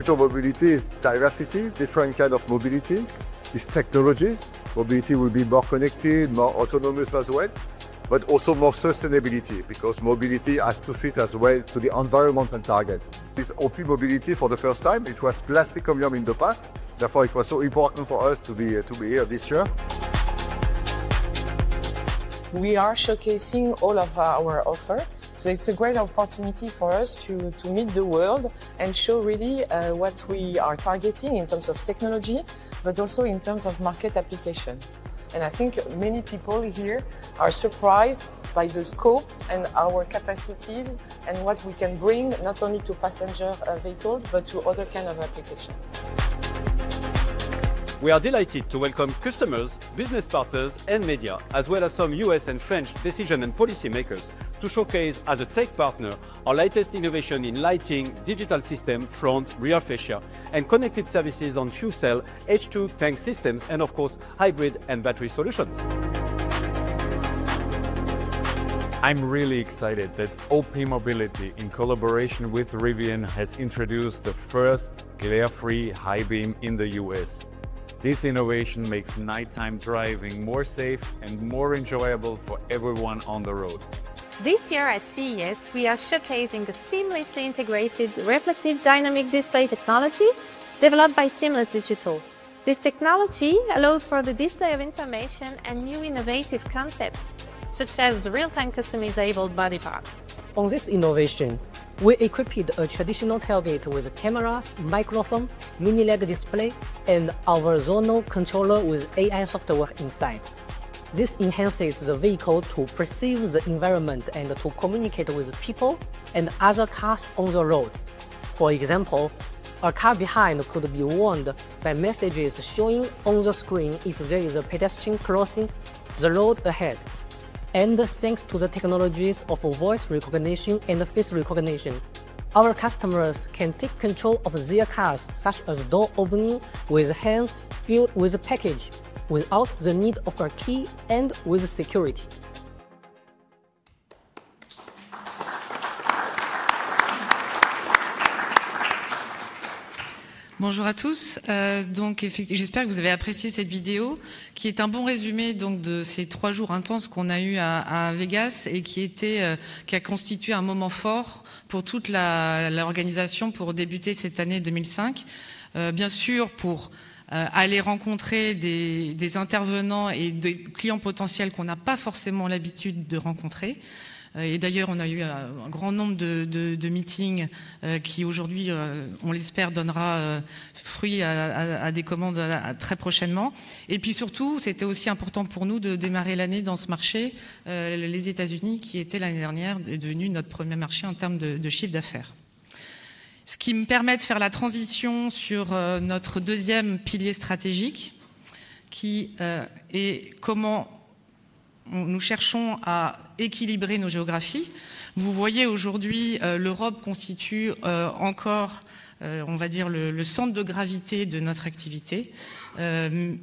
Future mobility is diversity, different kinds of mobility, different technologies. Mobility will be more connected, more autonomous as well, but also more sustainable, because mobility has to fit as well to the environmental targets. This OPmobility, for the first time, it was less common in the past. Therefore, it was so important for us to be here this year. We are showcasing all of our offerings. So it's a great opportunity for us to meet the world and show really what we are targeting in terms of technology, but also in terms of market application. I think many people here are surprised by the scope and our capacities and what we can bring not only to passenger vehicles, but to other kinds of applications. We are delighted to welcome customers, business partners, and media, as well as some US and French decision and policy makers to showcase as a tech partner our latest innovation in lighting, digital systems, front, rear fascia, and connected services on fuel cell, H2 tank systems, and of course, hybrid and battery solutions. I'm really excited that OPmobility, in collaboration with Rivian, has introduced the first glare-free high beam in the U.S. This innovation makes nighttime driving more safe and more enjoyable for everyone on the road. This year at CES, we are showcasing the seamlessly integrated reflective dynamic display technology developed by Seamless Digital. This technology allows for the display of information and new innovative concepts such as real-time customizable body parts. On this innovation, we equipped a traditional tailgate with cameras, microphone, mini-LED display, and our zonal controller with AI software inside. This enhances the vehicle to perceive the environment and to communicate with people and other cars on the road. For example, our car behind could be warned by messages showing on the screen if there is a pedestrian crossing the road ahead. Thanks to the technologies of voice recognition and face recognition, our customers can take control of their cars, such as door opening with hands filled with a package, without the need of a key and with security. Bonjour à tous. Donc, j'espère que vous avez apprécié cette vidéo qui est un bon résumé de ces trois jours intenses qu'on a eus à Vegas et qui a constitué un moment fort pour toute l'organisation pour débuter cette année 2025. Bien sûr, pour aller rencontrer des intervenants et des clients potentiels qu'on n'a pas forcément l'habitude de rencontrer. D'ailleurs, on a eu un grand nombre de meetings qui, aujourd'hui, on l'espère, donneront fruit à des commandes très prochainement. Et puis surtout, c'était aussi important pour nous de démarrer l'année dans ce marché, les États-Unis, qui étaient l'année dernière devenus notre premier marché en termes de chiffre d'affaires. Ce qui me permet de faire la transition sur notre deuxième pilier stratégique, qui est comment nous cherchons à équilibrer nos géographies. Vous voyez, aujourd'hui, l'Europe constitue encore, on va dire, le centre de gravité de notre activité,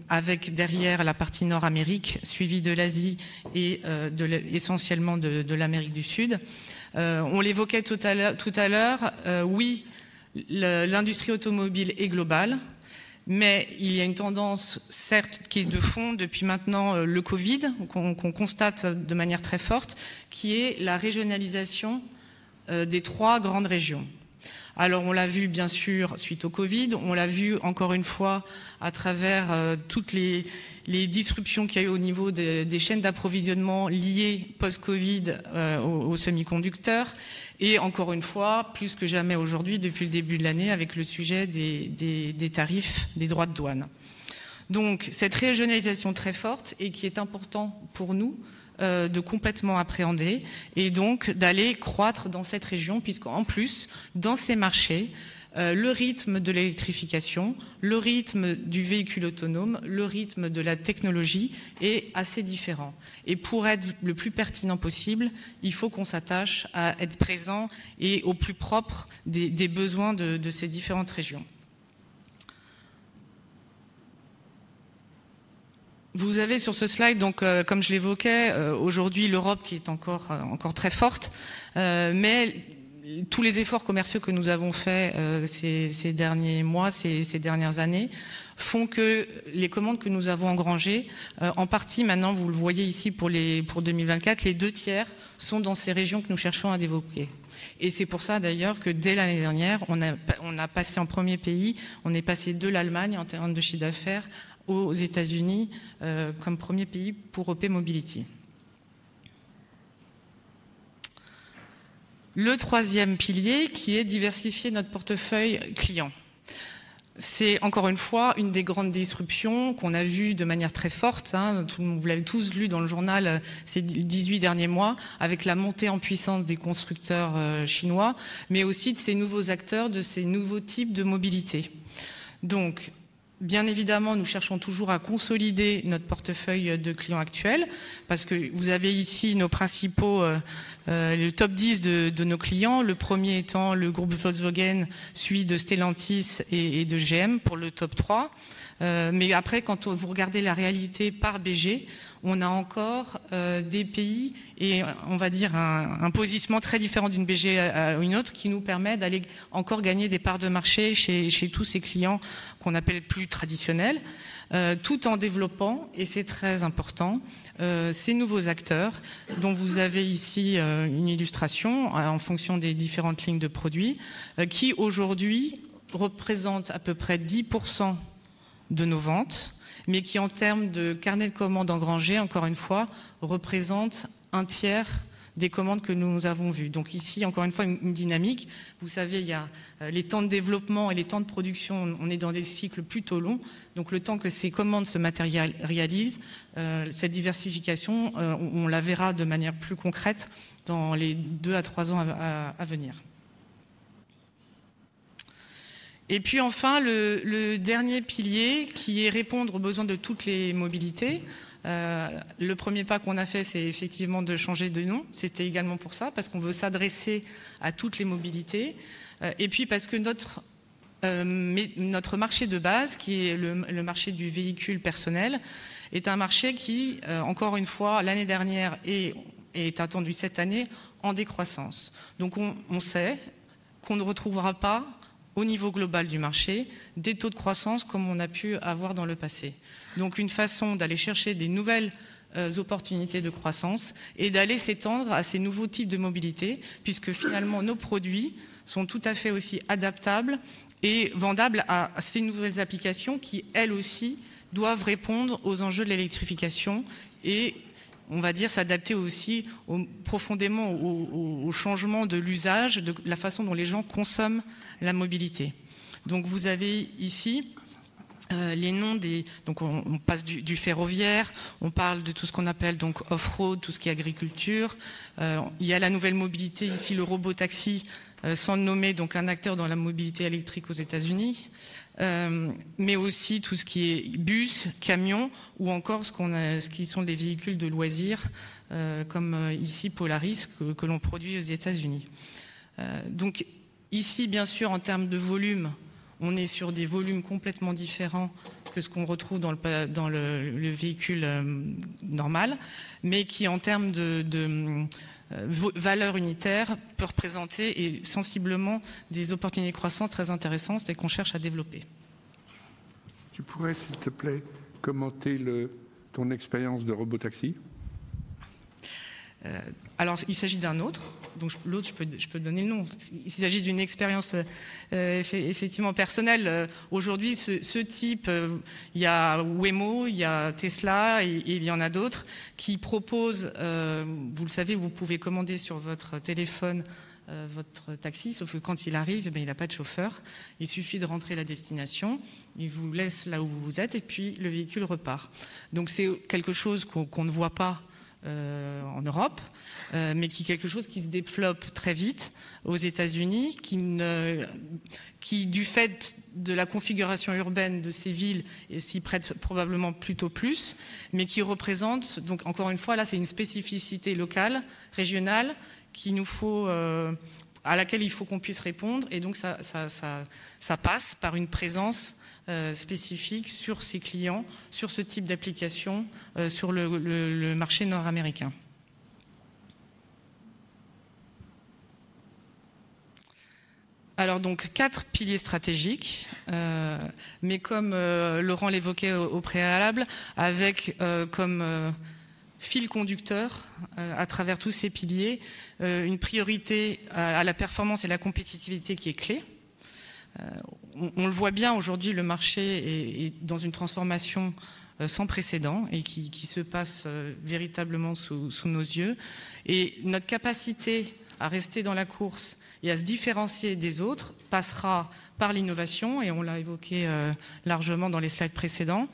avec derrière la partie Nord-Amérique, suivie de l'Asie et essentiellement de l'Amérique du Sud. On l'évoquait tout à l'heure, oui, l'industrie automobile est globale, mais il y a une tendance, certes, qui est de fond depuis maintenant le Covid, qu'on constate de manière très forte, qui est la régionalisation des trois grandes régions. Alors, on l'a vu, bien sûr, suite au Covid, on l'a vu encore une fois à travers toutes les disruptions qu'il y a eues au niveau des chaînes d'approvisionnement liées post-Covid aux semi-conducteurs, et encore une fois, plus que jamais aujourd'hui, depuis le début de l'année, avec le sujet des tarifs, des droits de douane. Donc, cette régionalisation très forte et qui est importante pour nous de complètement appréhender et donc d'aller croître dans cette région, puisqu'en plus, dans ces marchés, le rythme de l'électrification, le rythme du véhicule autonome, le rythme de la technologie est assez différent. Et pour être le plus pertinent possible, il faut qu'on s'attache à être présent et au plus proche des besoins de ces différentes régions. Vous avez sur ce slide, donc comme je l'évoquais, aujourd'hui, l'Europe qui est encore très forte, mais tous les efforts commerciaux que nous avons faits ces derniers mois, ces dernières années, font que les commandes que nous avons engrangées, en partie maintenant, vous le voyez ici pour 2024, les deux tiers sont dans ces régions que nous cherchons à développer. Et c'est pour ça d'ailleurs que dès l'année dernière, on est passé en premier pays, on est passé de l'Allemagne en termes de chiffre d'affaires aux États-Unis comme premier pays pour OPmobility. Le troisième pilier, qui est diversifier notre portefeuille clients, c'est encore une fois une des grandes disruptions qu'on a vues de manière très forte. Vous l'avez tous lu dans le journal ces 18 derniers mois, avec la montée en puissance des constructeurs chinois, mais aussi de ces nouveaux acteurs, de ces nouveaux types de mobilité. Donc, bien évidemment, nous cherchons toujours à consolider notre portefeuille de clients actuels, parce que vous avez ici nos principaux, le top 10 de nos clients, le premier étant le groupe Volkswagen, suivi de Stellantis et de GM pour le top 3. Mais après, quand vous regardez la réalité par BG, on a encore des pays et on va dire un positionnement très différent d'une BG à une autre, qui nous permet d'aller encore gagner des parts de marché chez tous ces clients qu'on appelle plus traditionnels, tout en développant, et c'est très important, ces nouveaux acteurs, dont vous avez ici une illustration en fonction des différentes lignes de produits, qui aujourd'hui représentent à peu près 10% de nos ventes, mais qui, en termes de carnet de commandes engrangé, encore une fois, représentent un tiers des commandes que nous avons vues. Donc ici, encore une fois, une dynamique. Vous savez, il y a les temps de développement et les temps de production, on est dans des cycles plutôt longs. Donc le temps que ces commandes se matérialisent, cette diversification, on la verra de manière plus concrète dans les deux à trois ans à venir. Et puis enfin, le dernier pilier, qui est répondre aux besoins de toutes les mobilités. Le premier pas qu'on a fait, c'est effectivement de changer de nom. C'était également pour ça, parce qu'on veut s'adresser à toutes les mobilités. Et puis parce que notre marché de base, qui est le marché du véhicule personnel, est un marché qui, encore une fois, l'année dernière et est attendu cette année, en décroissance. Donc on sait qu'on ne retrouvera pas, au niveau global du marché, des taux de croissance comme on a pu avoir dans le passé. Donc une façon d'aller chercher des nouvelles opportunités de croissance et d'aller s'étendre à ces nouveaux types de mobilité, puisque finalement nos produits sont tout à fait aussi adaptables et vendables à ces nouvelles applications qui, elles aussi, doivent répondre aux enjeux de l'électrification et s'adapter aussi profondément au changement de l'usage, de la façon dont les gens consomment la mobilité. Vous avez ici les noms des... On passe du ferroviaire, on parle de tout ce qu'on appelle donc off-road, tout ce qui est agriculture. Il y a la nouvelle mobilité, ici le robotaxi, sans nommer donc un acteur dans la mobilité électrique aux États-Unis, mais aussi tout ce qui est bus, camions, ou encore ce qui sont des véhicules de loisirs, comme ici Polaris, que l'on produit aux États-Unis. Donc ici, bien sûr, en termes de volume, on est sur des volumes complètement différents de ce qu'on retrouve dans le véhicule normal, mais qui, en termes de valeur unitaire, peut représenter sensiblement des opportunités de croissance très intéressantes et qu'on cherche à développer. Tu pourrais, s'il te plaît, commenter ton expérience de robotaxi? Alors, il s'agit d'un autre. Donc l'autre, je peux donner le nom. Il s'agit d'une expérience effectivement personnelle. Aujourd'hui, ce type, il y a Waymo, il y a Tesla, et il y en a d'autres qui proposent, vous le savez, vous pouvez commander sur votre téléphone votre taxi, sauf que quand il arrive, il n'a pas de chauffeur. Il suffit de rentrer la destination, il vous laisse là où vous êtes, et puis le véhicule repart. Donc c'est quelque chose qu'on ne voit pas en Europe, mais qui est quelque chose qui se développe très vite aux États-Unis, qui, du fait de la configuration urbaine de ces villes, s'y prête probablement plutôt plus, mais qui représente, donc encore une fois, là, c'est une spécificité locale, régionale, à laquelle il faut qu'on puisse répondre. Et donc ça passe par une présence spécifique sur ces clients, sur ce type d'application, sur le marché nord-américain. Alors donc, quatre piliers stratégiques, mais comme Laurent l'évoquait au préalable, avec comme fil conducteur à travers tous ces piliers, une priorité à la performance et la compétitivité qui est clé. On le voit bien, aujourd'hui, le marché est dans une transformation sans précédent et qui se passe véritablement sous nos yeux. Notre capacité à rester dans la course et à se différencier des autres passera par l'innovation, et on l'a évoqué largement dans les slides précédents,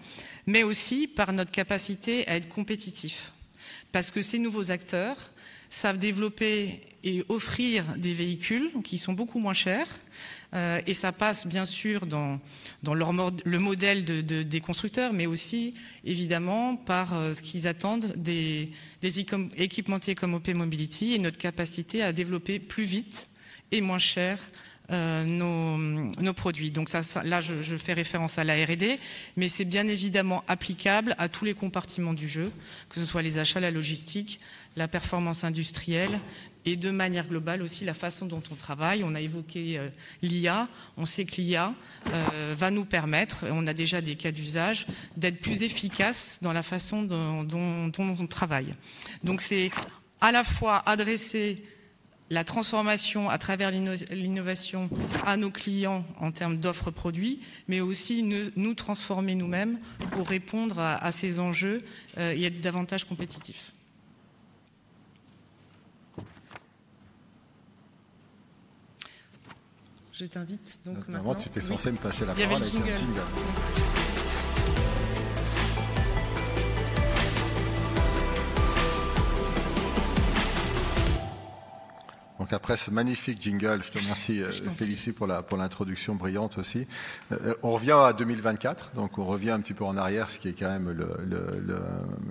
mais aussi par notre capacité à être compétitif. Parce que ces nouveaux acteurs savent développer et offrir des véhicules qui sont beaucoup moins chers, et ça passe bien sûr dans le modèle des constructeurs, mais aussi évidemment par ce qu'ils attendent des équipementiers comme OPmobility et notre capacité à développer plus vite et moins cher nos produits. Donc là, je fais référence à la R&D, mais c'est bien évidemment applicable à tous les compartiments du jeu, que ce soit les achats, la logistique, la performance industrielle, et de manière globale aussi la façon dont on travaille. On a évoqué l'IA, on sait que l'IA va nous permettre, et on a déjà des cas d'usage, d'être plus efficaces dans la façon dont on travaille. Donc c'est à la fois adresser la transformation à travers l'innovation à nos clients en termes d'offre produit, mais aussi nous transformer nous-mêmes pour répondre à ces enjeux et être davantage compétitifs. Je t'invite donc maintenant. Normalement, tu étais censé me passer la parole avec ton jingle. Donc après ce magnifique jingle, je te remercie Félicie pour l'introduction brillante aussi. On revient à 2024, donc on revient un petit peu en arrière, ce qui est quand même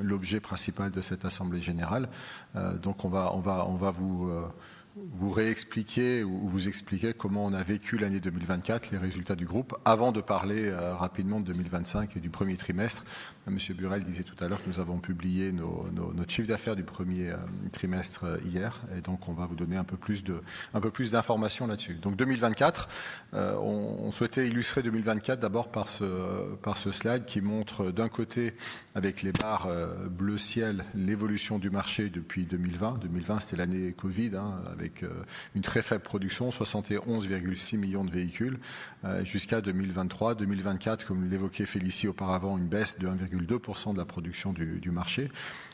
l'objet principal de cette assemblée générale. Donc on va vous réexpliquer ou vous expliquer comment on a vécu l'année 2024, les résultats du groupe, avant de parler rapidement de 2025 et du premier trimestre. Monsieur Burelle disait tout à l'heure que nous avons publié notre chiffre d'affaires du premier trimestre hier, et donc on va vous donner un peu plus d'informations là-dessus. Donc 2024, on souhaitait illustrer 2024 d'abord par ce slide qui montre d'un côté, avec les barres bleu ciel, l'évolution du marché depuis 2020. 2020, c'était l'année Covid, avec une très faible production, 71,6 millions de véhicules, jusqu'à 2023. 2024, comme l'évoquait Félicie auparavant, une baisse de 1,2% de la production du marché.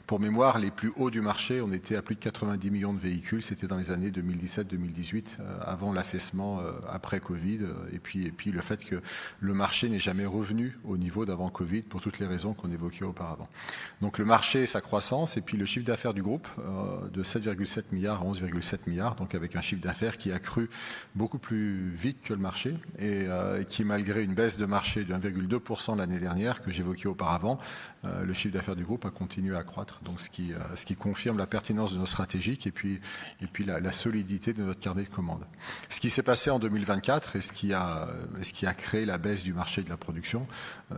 Pour mémoire, les plus hauts du marché, on était à plus de 90 millions de véhicules, c'était dans les années 2017-2018, avant l'affaissement après Covid, et puis le fait que le marché n'est jamais revenu au niveau d'avant Covid pour toutes les raisons qu'on évoquait auparavant. Donc le marché, sa croissance, et puis le chiffre d'affaires du groupe de €7,7 milliards à €11,7 milliards, donc avec un chiffre d'affaires qui a cru beaucoup plus vite que le marché, et qui, malgré une baisse de marché de 1,2% l'année dernière que j'évoquais auparavant, le chiffre d'affaires du groupe a continué à croître, donc ce qui confirme la pertinence de nos stratégies et puis la solidité de notre carnet de commandes. Ce qui s'est passé en 2024 et ce qui a créé la baisse du marché et de la production,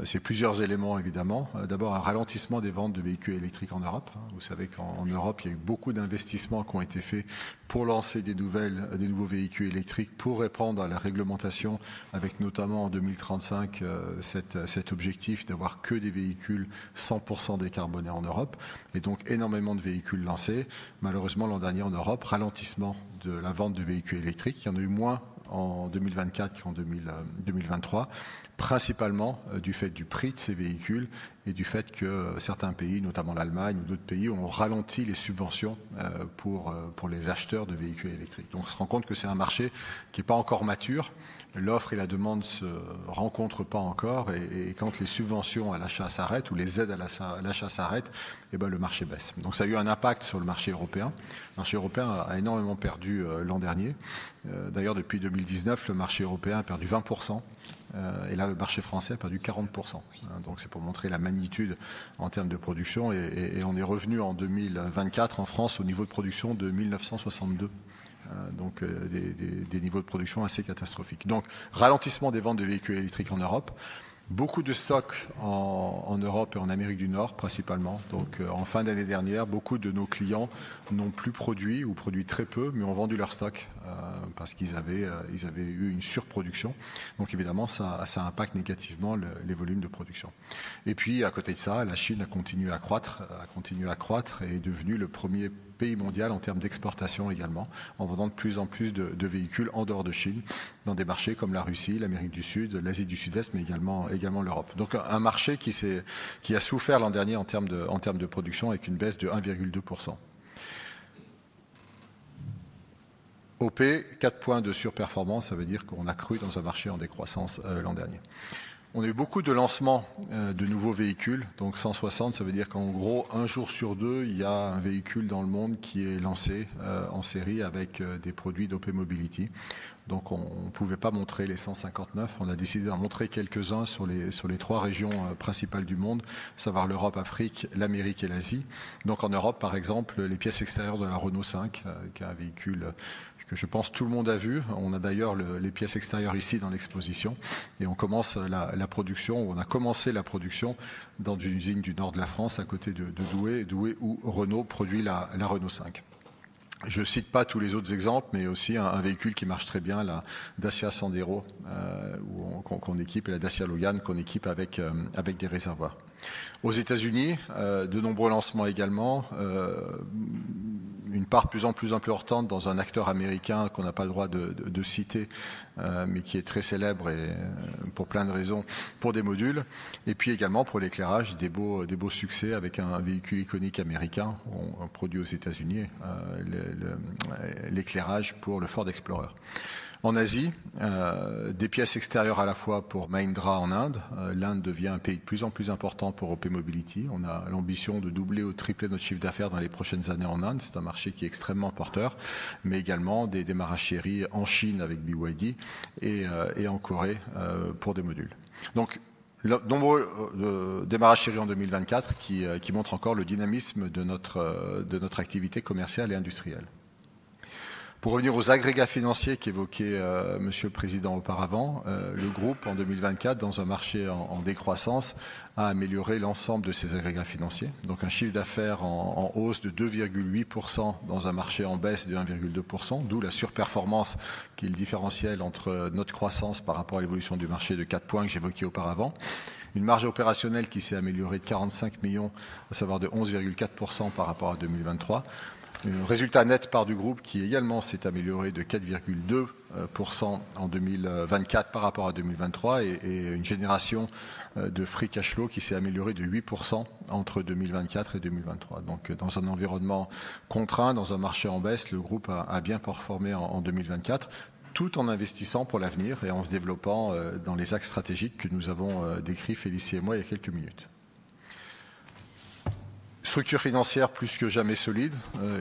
c'est plusieurs éléments, évidemment. D'abord, un ralentissement des ventes de véhicules électriques en Europe. Vous savez qu'en Europe, il y a eu beaucoup d'investissements qui ont été faits pour lancer des nouveaux véhicules électriques, pour répondre à la réglementation, avec notamment en 2035 cet objectif d'avoir que des véhicules 100% décarbonés en Europe, et donc énormément de véhicules lancés. Malheureusement, l'an dernier en Europe, ralentissement de la vente du véhicule électrique. Il y en a eu moins en 2024 qu'en 2023, principalement du fait du prix de ces véhicules et du fait que certains pays, notamment l'Allemagne ou d'autres pays, ont ralenti les subventions pour les acheteurs de véhicules électriques. Donc on se rend compte que c'est un marché qui n'est pas encore mature. L'offre et la demande ne se rencontrent pas encore, et quand les subventions à l'achat s'arrêtent ou les aides à l'achat s'arrêtent, le marché baisse. Cela a eu un impact sur le marché européen. Le marché européen a énormément perdu l'an dernier. D'ailleurs, depuis 2019, le marché européen a perdu 20%, et le marché français a perdu 40%. C'est pour montrer la magnitude en termes de production, et on est revenu en 2024 en France au niveau de production de 1962, donc des niveaux de production assez catastrophiques. Ralentissement des ventes de véhicules électriques en Europe. Beaucoup de stocks en Europe et en Amérique du Nord, principalement. En fin d'année dernière, beaucoup de nos clients n'ont plus produit ou produit très peu, mais ont vendu leurs stocks parce qu'ils avaient eu une surproduction. Évidemment, cela impacte négativement les volumes de production. Et puis, à côté de ça, la Chine a continué à croître, a continué à croître et est devenue le premier pays mondial en termes d'exportation également, en vendant de plus en plus de véhicules en dehors de Chine, dans des marchés comme la Russie, l'Amérique du Sud, l'Asie du Sud-Est, mais également l'Europe. Donc un marché qui a souffert l'an dernier en termes de production avec une baisse de 1,2%. OP, quatre points de surperformance, ça veut dire qu'on a cru dans un marché en décroissance l'an dernier. On a eu beaucoup de lancements de nouveaux véhicules, donc 160, ça veut dire qu'en gros, un jour sur deux, il y a un véhicule dans le monde qui est lancé en série avec des produits d'OPmobility. Donc on ne pouvait pas montrer les 159, on a décidé d'en montrer quelques-uns sur les trois régions principales du monde, à savoir l'Europe, l'Afrique, l'Amérique et l'Asie. En Europe, par exemple, les pièces extérieures de la Renault 5, qui est un véhicule que je pense tout le monde a vu. On a d'ailleurs les pièces extérieures ici dans l'exposition, et on commence la production, ou on a commencé la production dans une usine du nord de la France, à côté de Douai, où Renault produit la Renault 5. Je ne cite pas tous les autres exemples, mais aussi un véhicule qui marche très bien, la Dacia Sandero, qu'on équipe, et la Dacia Logan, qu'on équipe avec des réservoirs. Aux États-Unis, de nombreux lancements également, une part de plus en plus importante dans un acteur américain qu'on n'a pas le droit de citer, mais qui est très célèbre pour plein de raisons, pour des modules, et puis également pour l'éclairage, des beaux succès avec un véhicule iconique américain, produit aux États-Unis, l'éclairage pour le Ford Explorer. En Asie, des pièces extérieures à la fois pour Mahindra en Inde. L'Inde devient un pays de plus en plus important pour OPmobility. On a l'ambition de doubler ou tripler notre chiffre d'affaires dans les prochaines années en Inde. C'est un marché qui est extrêmement porteur, mais également des démarrages séries en Chine avec BYD et en Corée pour des modules. Donc de nombreux démarrages séries en 2024 qui montrent encore le dynamisme de notre activité commerciale et industrielle. Pour revenir aux agrégats financiers qu'évoquait Monsieur le Président auparavant, le groupe en 2024, dans un marché en décroissance, a amélioré l'ensemble de ses agrégats financiers. Donc un chiffre d'affaires en hausse de 2,8% dans un marché en baisse de 1,2%, d'où la surperformance qui est le différentiel entre notre croissance par rapport à l'évolution du marché de quatre points que j'évoquais auparavant, une marge opérationnelle qui s'est améliorée de 45 millions, à savoir de 11,4% par rapport à 2023, un résultat net part du groupe qui également s'est amélioré de 4,2% en 2024 par rapport à 2023, et une génération de free cash flow qui s'est améliorée de 8% entre 2024 et 2023. Donc dans un environnement contraint, dans un marché en baisse, le groupe a bien performé en 2024, tout en investissant pour l'avenir et en se développant dans les axes stratégiques que nous avons décrits Félicie et moi il y a quelques minutes. Structure financière plus que jamais solide,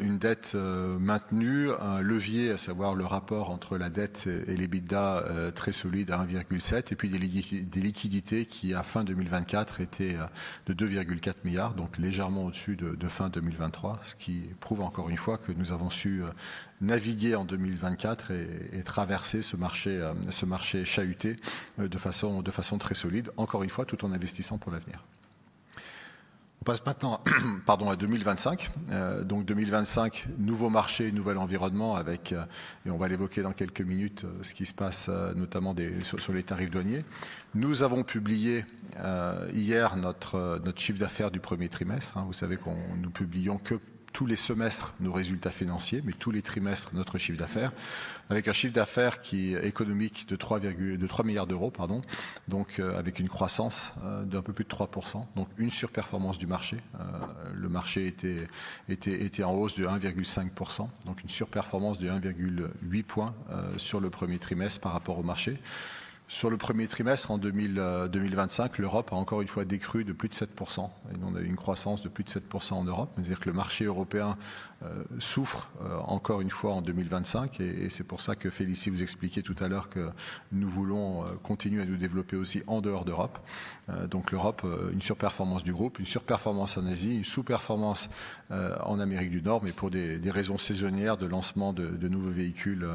une dette maintenue, un levier, à savoir le rapport entre la dette et l'EBITDA très solide à 1,7, et puis des liquidités qui, à fin 2024, étaient de 2,4 milliards, donc légèrement au-dessus de fin 2023, ce qui prouve encore une fois que nous avons su naviguer en 2024 et traverser ce marché chahuté de façon très solide, encore une fois, tout en investissant pour l'avenir. On passe maintenant à 2025. 2025, nouveau marché, nouvel environnement, et on va l'évoquer dans quelques minutes ce qui se passe, notamment sur les tarifs douaniers. Nous avons publié hier notre chiffre d'affaires du premier trimestre. Vous savez qu'on ne publie que tous les semestres nos résultats financiers, mais tous les trimestres notre chiffre d'affaires, avec un chiffre d'affaires économique de 3 milliards d'euros, donc avec une croissance d'un peu plus de 3%, donc une surperformance du marché. Le marché était en hausse de 1,5%, donc une surperformance de 1,8 point sur le premier trimestre par rapport au marché. Sur le premier trimestre en 2025, l'Europe a encore une fois décru de plus de 7%, et on a eu une croissance de plus de 7% en Europe. C'est-à-dire que le marché européen souffre encore une fois en 2025, et c'est pour ça que Félicie vous expliquait tout à l'heure que nous voulons continuer à nous développer aussi en dehors d'Europe. Donc l'Europe, une surperformance du groupe, une surperformance en Asie, une sous-performance en Amérique du Nord, mais pour des raisons saisonnières de lancement de nouveaux véhicules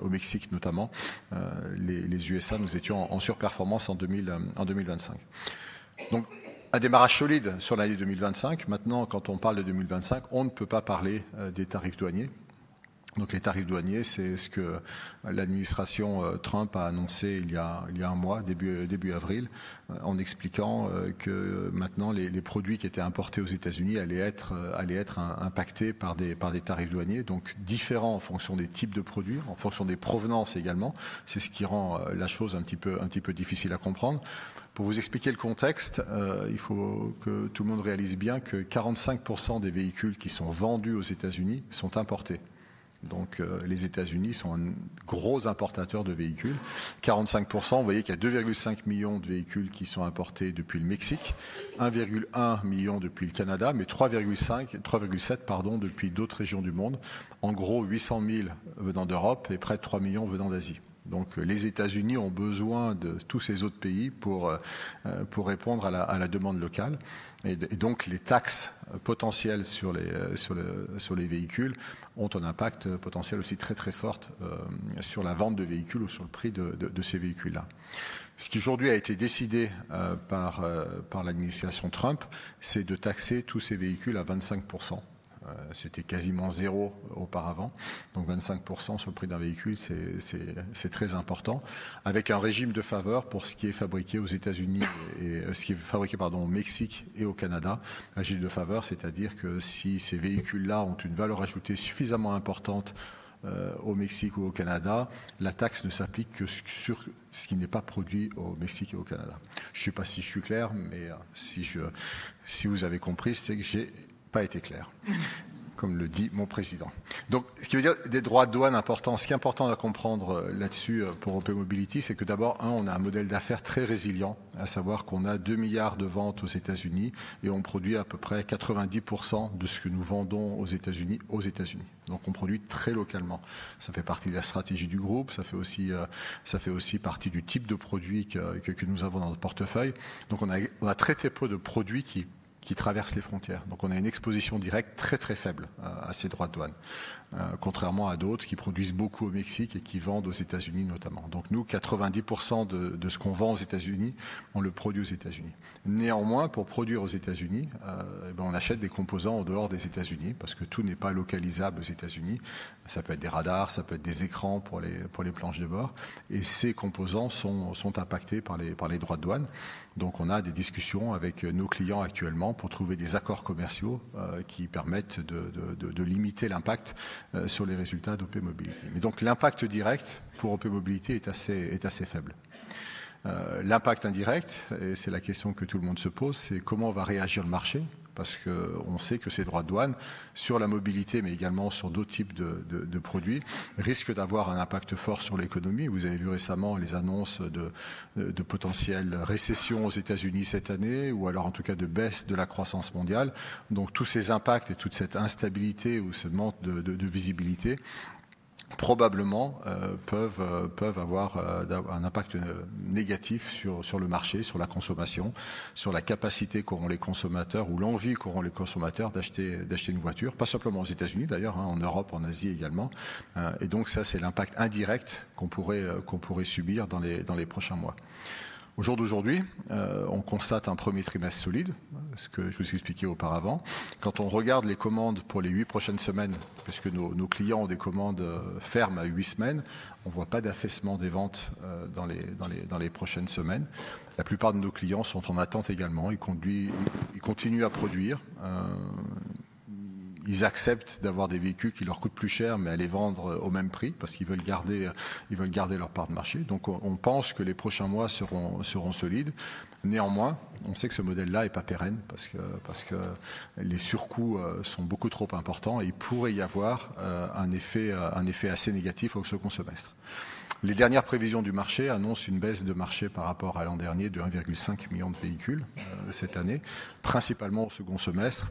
au Mexique notamment. Les USA, nous étions en surperformance en 2025. Donc un démarrage solide sur l'année 2025. Maintenant, quand on parle de 2025, on ne peut pas parler des tarifs douaniers. Donc les tarifs douaniers, c'est ce que l'administration Trump a annoncé il y a un mois, début avril, en expliquant que maintenant les produits qui étaient importés aux États-Unis allaient être impactés par des tarifs douaniers, donc différents en fonction des types de produits, en fonction des provenances également. C'est ce qui rend la chose un petit peu difficile à comprendre. Pour vous expliquer le contexte, il faut que tout le monde réalise bien que 45% des véhicules qui sont vendus aux États-Unis sont importés. Donc les États-Unis sont un gros importateur de véhicules. 45%, vous voyez qu'il y a 2,5 millions de véhicules qui sont importés depuis le Mexique, 1,1 million depuis le Canada, mais 3,7 depuis d'autres régions du monde. En gros, 800 000 venant d'Europe et près de 3 millions venant d'Asie. Donc les États-Unis ont besoin de tous ces autres pays pour répondre à la demande locale. Et donc les taxes potentielles sur les véhicules ont un impact potentiel aussi très, très fort sur la vente de véhicules ou sur le prix de ces véhicules-là. Ce qui aujourd'hui a été décidé par l'administration Trump, c'est de taxer tous ces véhicules à 25%. C'était quasiment zéro auparavant. Donc 25% sur le prix d'un véhicule, c'est très important, avec un régime de faveur pour ce qui est fabriqué aux États-Unis et ce qui est fabriqué au Mexique et au Canada, un régime de faveur, c'est-à-dire que si ces véhicules-là ont une valeur ajoutée suffisamment importante au Mexique ou au Canada, la taxe ne s'applique que sur ce qui n'est pas produit au Mexique et au Canada. Je ne sais pas si je suis clair, mais si vous avez compris, c'est que je n'ai pas été clair, comme le dit mon président. Donc ce qui veut dire des droits de douane importants. Ce qui est important à comprendre là-dessus pour OPmobility, c'est que d'abord, on a un modèle d'affaires très résilient, à savoir qu'on a 2 milliards de ventes aux États-Unis et on produit à peu près 90% de ce que nous vendons aux États-Unis aux États-Unis. Donc on produit très localement. Ça fait partie de la stratégie du groupe, ça fait aussi partie du type de produits que nous avons dans le portefeuille. Donc on a très, très peu de produits qui traversent les frontières. Donc on a une exposition directe très, très faible à ces droits de douane, contrairement à d'autres qui produisent beaucoup au Mexique et qui vendent aux États-Unis notamment. Donc nous, 90% de ce qu'on vend aux États-Unis, on le produit aux États-Unis. Néanmoins, pour produire aux États-Unis, on achète des composants en dehors des États-Unis, parce que tout n'est pas localisable aux États-Unis. Ça peut être des radars, ça peut être des écrans pour les planches de bord, et ces composants sont impactés par les droits de douane. Donc on a des discussions avec nos clients actuellement pour trouver des accords commerciaux qui permettent de limiter l'impact sur les résultats d'OPmobility. Mais donc l'impact direct pour OPmobility est assez faible. L'impact indirect, et c'est la question que tout le monde se pose, c'est comment va réagir le marché, parce qu'on sait que ces droits de douane sur la mobilité, mais également sur d'autres types de produits, risquent d'avoir un impact fort sur l'économie. Vous avez vu récemment les annonces de potentielle récession aux États-Unis cette année, ou alors en tout cas de baisse de la croissance mondiale. Donc tous ces impacts et toute cette instabilité ou ce manque de visibilité, probablement peuvent avoir un impact négatif sur le marché, sur la consommation, sur la capacité qu'auront les consommateurs ou l'envie qu'auront les consommateurs d'acheter une voiture, pas simplement aux États-Unis d'ailleurs, en Europe, en Asie également. Et donc ça, c'est l'impact indirect qu'on pourrait subir dans les prochains mois. Au jour d'aujourd'hui, on constate un premier trimestre solide, ce que je vous expliquais auparavant. Quand on regarde les commandes pour les huit prochaines semaines, puisque nos clients ont des commandes fermes à huit semaines, on ne voit pas d'affaissement des ventes dans les prochaines semaines. La plupart de nos clients sont en attente également. Ils continuent à produire. Ils acceptent d'avoir des véhicules qui leur coûtent plus cher, mais à les vendre au même prix, parce qu'ils veulent garder leur part de marché. Donc on pense que les prochains mois seront solides. Néanmoins, on sait que ce modèle-là n'est pas pérenne, parce que les surcoûts sont beaucoup trop importants et il pourrait y avoir un effet assez négatif au second semestre. Les dernières prévisions du marché annoncent une baisse de marché par rapport à l'an dernier de 1,5 million de véhicules cette année, principalement au second semestre,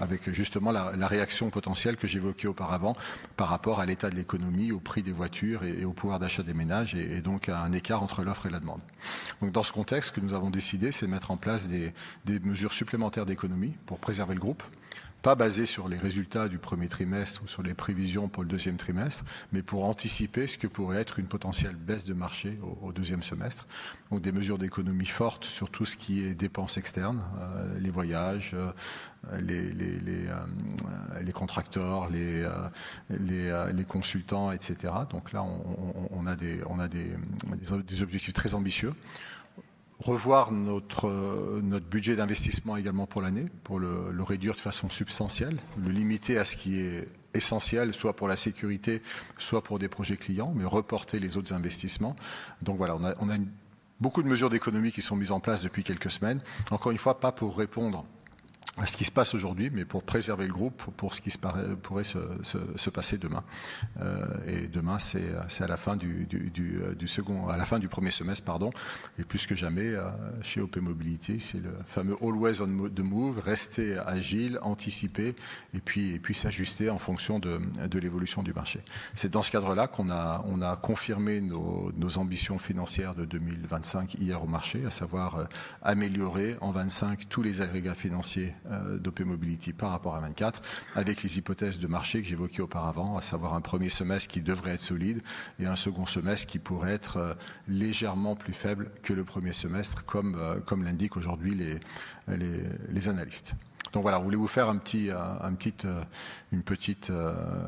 avec justement la réaction potentielle que j'évoquais auparavant par rapport à l'état de l'économie, au prix des voitures et au pouvoir d'achat des ménages, et donc à un écart entre l'offre et la demande. Dans ce contexte, ce que nous avons décidé, c'est de mettre en place des mesures supplémentaires d'économie pour préserver le groupe, pas basées sur les résultats du premier trimestre ou sur les prévisions pour le deuxième trimestre, mais pour anticiper ce que pourrait être une potentielle baisse de marché au deuxième semestre, donc des mesures d'économie fortes sur tout ce qui est dépenses externes, les voyages, les contracteurs, les consultants, etc. Là, on a des objectifs très ambitieux. Revoir notre budget d'investissement également pour l'année, pour le réduire de façon substantielle, le limiter à ce qui est essentiel, soit pour la sécurité, soit pour des projets clients, mais reporter les autres investissements. Donc voilà, on a beaucoup de mesures d'économie qui sont mises en place depuis quelques semaines. Encore une fois, pas pour répondre à ce qui se passe aujourd'hui, mais pour préserver le groupe, pour ce qui pourrait se passer demain. Demain, c'est à la fin du second, à la fin du premier semestre, pardon, et plus que jamais chez OPmobility, c'est le fameux « always on the move », rester agile, anticiper, et puis s'ajuster en fonction de l'évolution du marché. C'est dans ce cadre-là qu'on a confirmé nos ambitions financières de 2025 hier au marché, à savoir améliorer en 2025 tous les agrégats financiers d'OPmobility par rapport à 2024, avec les hypothèses de marché que j'évoquais auparavant, à savoir un premier semestre qui devrait être solide et un second semestre qui pourrait être légèrement plus faible que le premier semestre, comme l'indiquent aujourd'hui les analystes. Je voulais vous faire une petite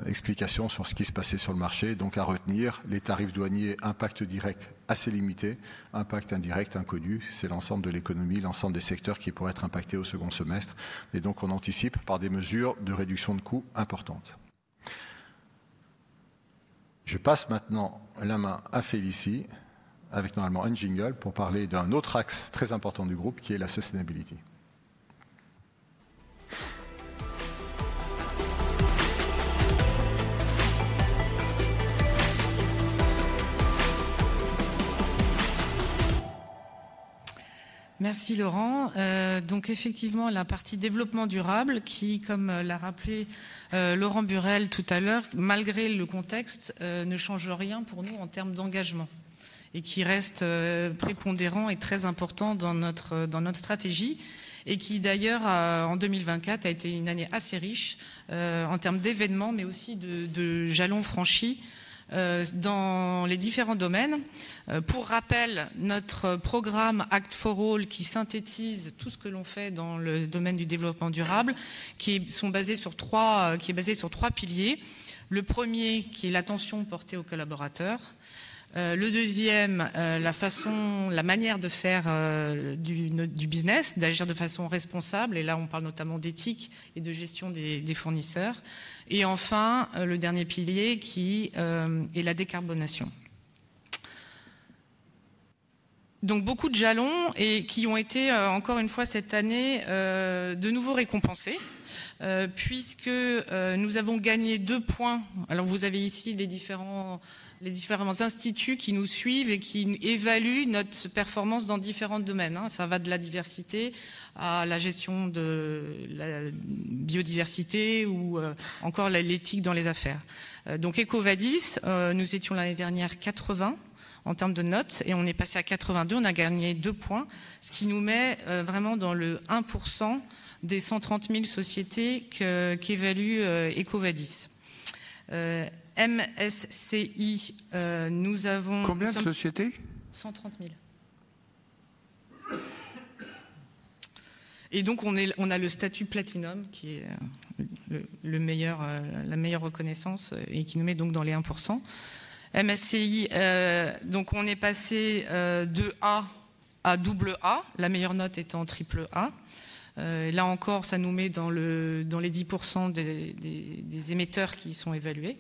explication sur ce qui se passait sur le marché. À retenir, les tarifs douaniers impact direct assez limité, impact indirect inconnu, c'est l'ensemble de l'économie, l'ensemble des secteurs qui pourraient être impactés au second semestre. On anticipe par des mesures de réduction de coûts importantes. Je passe maintenant la main à Félicie, avec normalement Anne Jingle, pour parler d'un autre axe très important du groupe qui est la sustainability. Merci Laurent. Donc effectivement, la partie développement durable qui, comme l'a rappelé Laurent Burelle tout à l'heure, malgré le contexte, ne change rien pour nous en termes d'engagement et qui reste prépondérant et très important dans notre stratégie, et qui d'ailleurs en 2024 a été une année assez riche en termes d'événements, mais aussi de jalons franchis dans les différents domaines. Pour rappel, notre programme Act4All qui synthétise tout ce que l'on fait dans le domaine du développement durable, qui est basé sur trois piliers. Le premier, qui est l'attention portée aux collaborateurs. Le deuxième, la façon, la manière de faire du business, d'agir de façon responsable, et là on parle notamment d'éthique et de gestion des fournisseurs. Enfin, le dernier pilier qui est la décarbonation. Donc beaucoup de jalons et qui ont été encore une fois cette année de nouveau récompensés, puisque nous avons gagné deux points. Alors vous avez ici les différents instituts qui nous suivent et qui évaluent notre performance dans différents domaines. Ça va de la diversité à la gestion de la biodiversité ou encore l'éthique dans les affaires. Donc EcoVadis, nous étions l'année dernière 80 en termes de notes et on est passé à 82, on a gagné deux points, ce qui nous met vraiment dans le 1% des 130 000 sociétés qu'évalue EcoVadis. MSCI, nous avons... Combien de sociétés? 130 000. On a le statut Platinum qui est la meilleure reconnaissance et qui nous met donc dans les 1%. MSCI, donc on est passé de A à AA, la meilleure note étant AAA. Là encore, ça nous met dans les 10% des émetteurs qui sont évalués.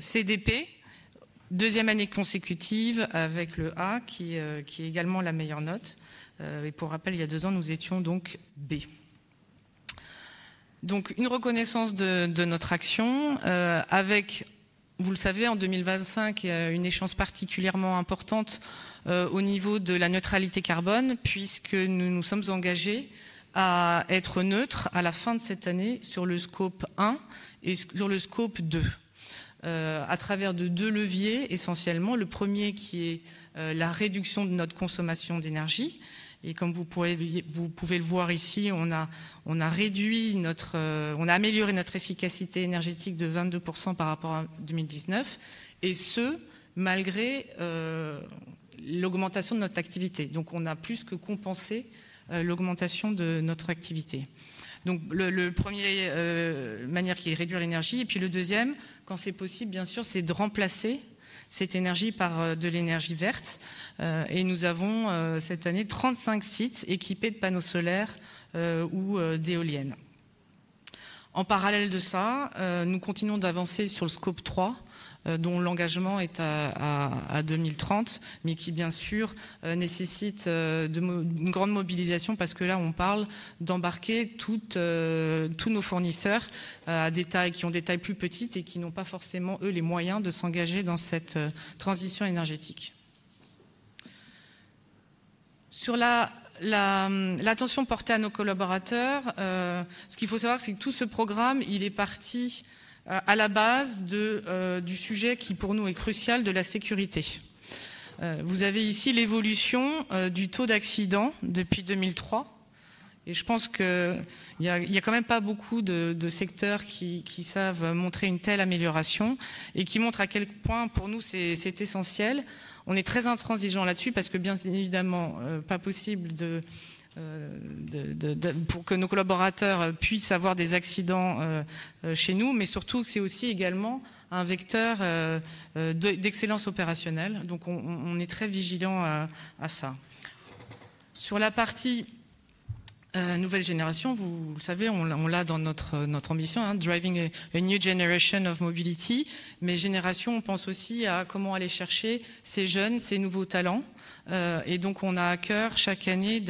CDP, deuxième année consécutive avec le A qui est également la meilleure note. Et pour rappel, il y a deux ans, nous étions donc B. Donc une reconnaissance de notre action, avec, vous le savez, en 2025, une échéance particulièrement importante au niveau de la neutralité carbone, puisque nous nous sommes engagés à être neutres à la fin de cette année sur le scope 1 et sur le scope 2, à travers deux leviers essentiellement. Le premier qui est la réduction de notre consommation d'énergie. Et comme vous pouvez le voir ici, on a réduit notre, on a amélioré notre efficacité énergétique de 22% par rapport à 2019, et ce malgré l'augmentation de notre activité. Donc on a plus que compensé l'augmentation de notre activité. Donc la première manière qui est de réduire l'énergie, et puis le deuxième, quand c'est possible, bien sûr, c'est de remplacer cette énergie par de l'énergie verte. Et nous avons cette année 35 sites équipés de panneaux solaires ou d'éoliennes. En parallèle de ça, nous continuons d'avancer sur le scope 3, dont l'engagement est à 2030, mais qui, bien sûr, nécessite une grande mobilisation, parce que là, on parle d'embarquer tous nos fournisseurs qui ont des tailles plus petites et qui n'ont pas forcément, eux, les moyens de s'engager dans cette transition énergétique. Sur l'attention portée à nos collaborateurs, ce qu'il faut savoir, c'est que tout ce programme, il est parti à la base du sujet qui, pour nous, est crucial, de la sécurité. Vous avez ici l'évolution du taux d'accidents depuis 2003, et je pense qu'il n'y a quand même pas beaucoup de secteurs qui savent montrer une telle amélioration et qui montrent à quel point, pour nous, c'est essentiel. On est très intransigeant là-dessus, parce que, bien évidemment, pas possible pour que nos collaborateurs puissent avoir des accidents chez nous, mais surtout, c'est aussi également un vecteur d'excellence opérationnelle. Donc on est très vigilant à ça. Sur la partie nouvelle génération, vous le savez, on l'a dans notre ambition, « Driving a new generation of mobility », mais génération, on pense aussi à comment aller chercher ces jeunes, ces nouveaux talents. Et donc on a à cœur chaque année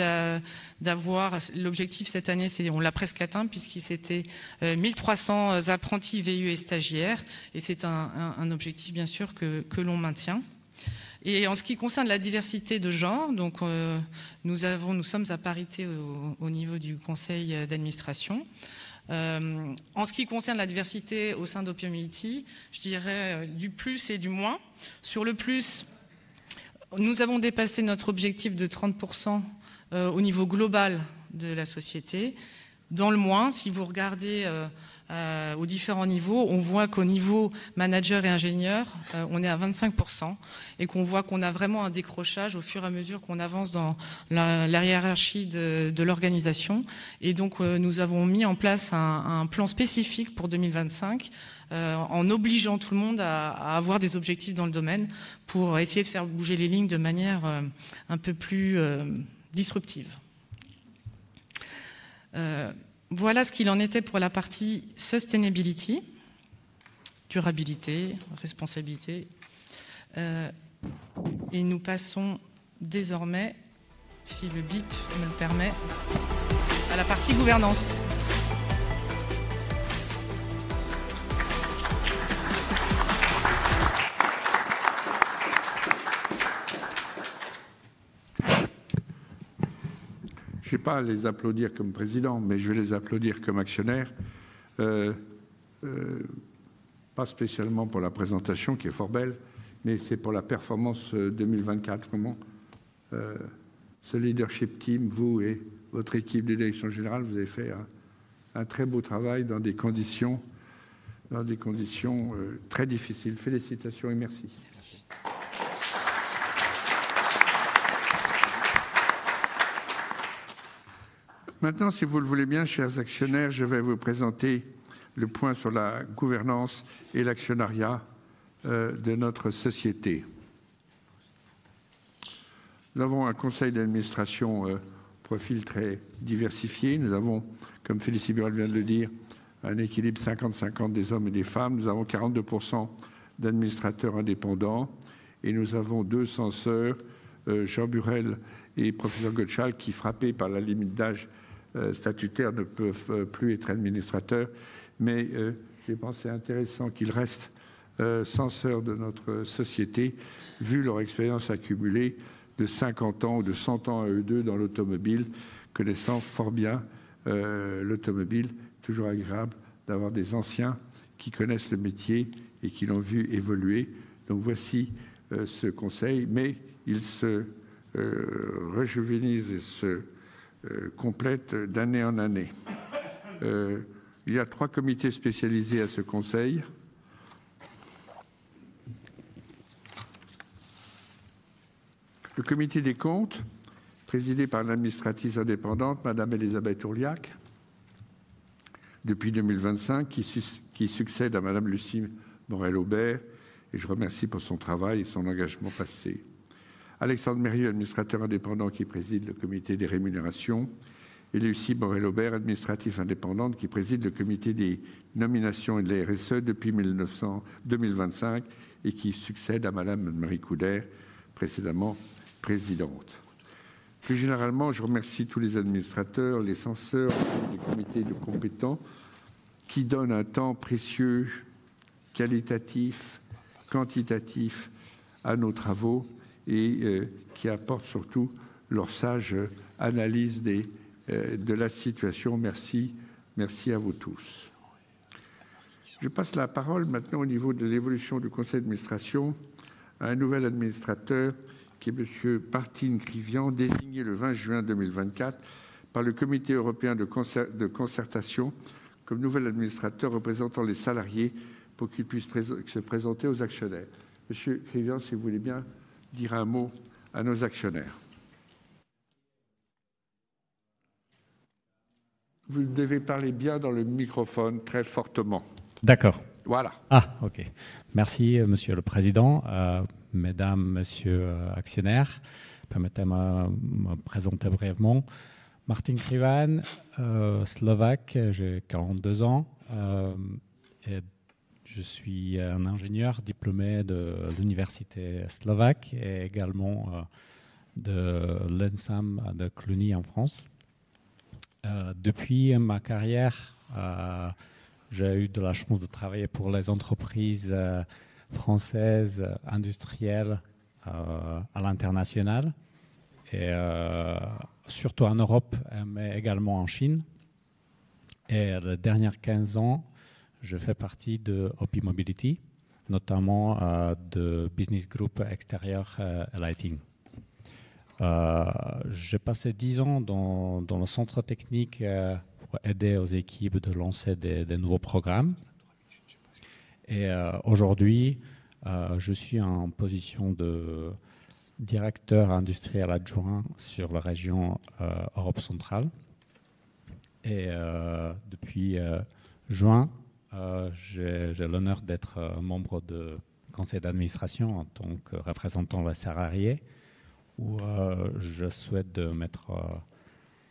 d'avoir l'objectif, cette année, c'est qu'on l'a presque atteint, puisqu'il s'agissait de 1 300 apprentis, VIE et stagiaires, et c'est un objectif, bien sûr, que l'on maintient. Et en ce qui concerne la diversité de genre, donc nous sommes à parité au niveau du conseil d'administration. En ce qui concerne la diversité au sein d'OPmobility, je dirais du plus et du moins. Sur le plus, nous avons dépassé notre objectif de 30% au niveau global de la société. Dans le moins, si vous regardez aux différents niveaux, on voit qu'au niveau manager et ingénieur, on est à 25% et qu'on voit qu'on a vraiment un décrochage au fur et à mesure qu'on avance dans la hiérarchie de l'organisation. Et donc nous avons mis en place un plan spécifique pour 2025, en obligeant tout le monde à avoir des objectifs dans le domaine pour essayer de faire bouger les lignes de manière un peu plus disruptive. Voilà ce qu'il en était pour la partie sustainability, durabilité, responsabilité. Et nous passons désormais, si le bip me le permet, à la partie gouvernance. Je ne vais pas les applaudir comme président, mais je vais les applaudir comme actionnaires. Pas spécialement pour la présentation qui est fort belle, mais c'est pour la performance 2024. Ce leadership team, vous et votre équipe de direction générale, vous avez fait un très beau travail dans des conditions très difficiles. Félicitations et merci. Merci. Maintenant, si vous le voulez bien, chers actionnaires, je vais vous présenter le point sur la gouvernance et l'actionnariat de notre société. Nous avons un conseil d'administration au profil très diversifié. Nous avons, comme Félicie Burelle vient de le dire, un équilibre 50-50 des hommes et des femmes. Nous avons 42% d'administrateurs indépendants et nous avons deux censeurs, Jean Burelle et Professeur Gottschalk, qui, frappés par la limite d'âge statutaire, ne peuvent plus être administrateurs. Mais je pense que c'est intéressant qu'ils restent censeurs de notre société, vu leur expérience accumulée de 50 ans ou de 100 ans à eux deux dans l'automobile, connaissant fort bien l'automobile. C'est toujours agréable d'avoir des anciens qui connaissent le métier et qui l'ont vu évoluer. Donc voici ce conseil, mais il se rajeunit et se complète d'année en année. Il y a trois comités spécialisés à ce conseil. Le comité des comptes, présidé par une administratrice indépendante, Madame Élisabeth Ourliac, depuis 2025, qui succède à Madame Lucie Morel-Aubert, et je remercie pour son travail et son engagement passé. Alexandre Mérieux, administrateur indépendant, qui préside le comité des rémunérations, et Lucie Maurel-Aubert, administratrice indépendante, qui préside le comité des nominations et de la RSE depuis 2025, et qui succède à Madame Anne-Marie Couderc, précédemment présidente. Plus généralement, je remercie tous les administrateurs, les censeurs, les comités compétents, qui donnent un temps précieux, qualitatif, quantitatif à nos travaux et qui apportent surtout leur sage analyse de la situation. Merci, merci à vous tous. Je passe la parole maintenant au niveau de l'évolution du conseil d'administration à un nouvel administrateur qui est Monsieur Martin Krivian, désigné le 20 juin 2024 par le Comité européen de concertation comme nouvel administrateur représentant les salariés pour qu'il puisse se présenter aux actionnaires. Monsieur Crivian, si vous voulez bien dire un mot à nos actionnaires. Vous devez parler bien dans le microphone, très fortement. D'accord. Voilà. Merci, Monsieur le Président. Mesdames, Messieurs Actionnaires, permettez-moi de me présenter brièvement. Martin Crivian, Slovaque, j'ai 42 ans et je suis un ingénieur diplômé de l'Université Slovaque et également de l'ENSAM de Cluny en France. Depuis ma carrière, j'ai eu la chance de travailler pour les entreprises françaises industrielles à l'international, et surtout en Europe, mais également en Chine. Et les dernières 15 ans, je fais partie d'OPmobility, notamment du Business Group Exterior Lighting. J'ai passé 10 ans dans le centre technique pour aider aux équipes de lancer des nouveaux programmes. Et aujourd'hui, je suis en position de Directeur Industriel Adjoint sur la région Europe centrale. Et depuis juin, j'ai l'honneur d'être membre du conseil d'administration en tant que représentant des salariés, où je souhaite mettre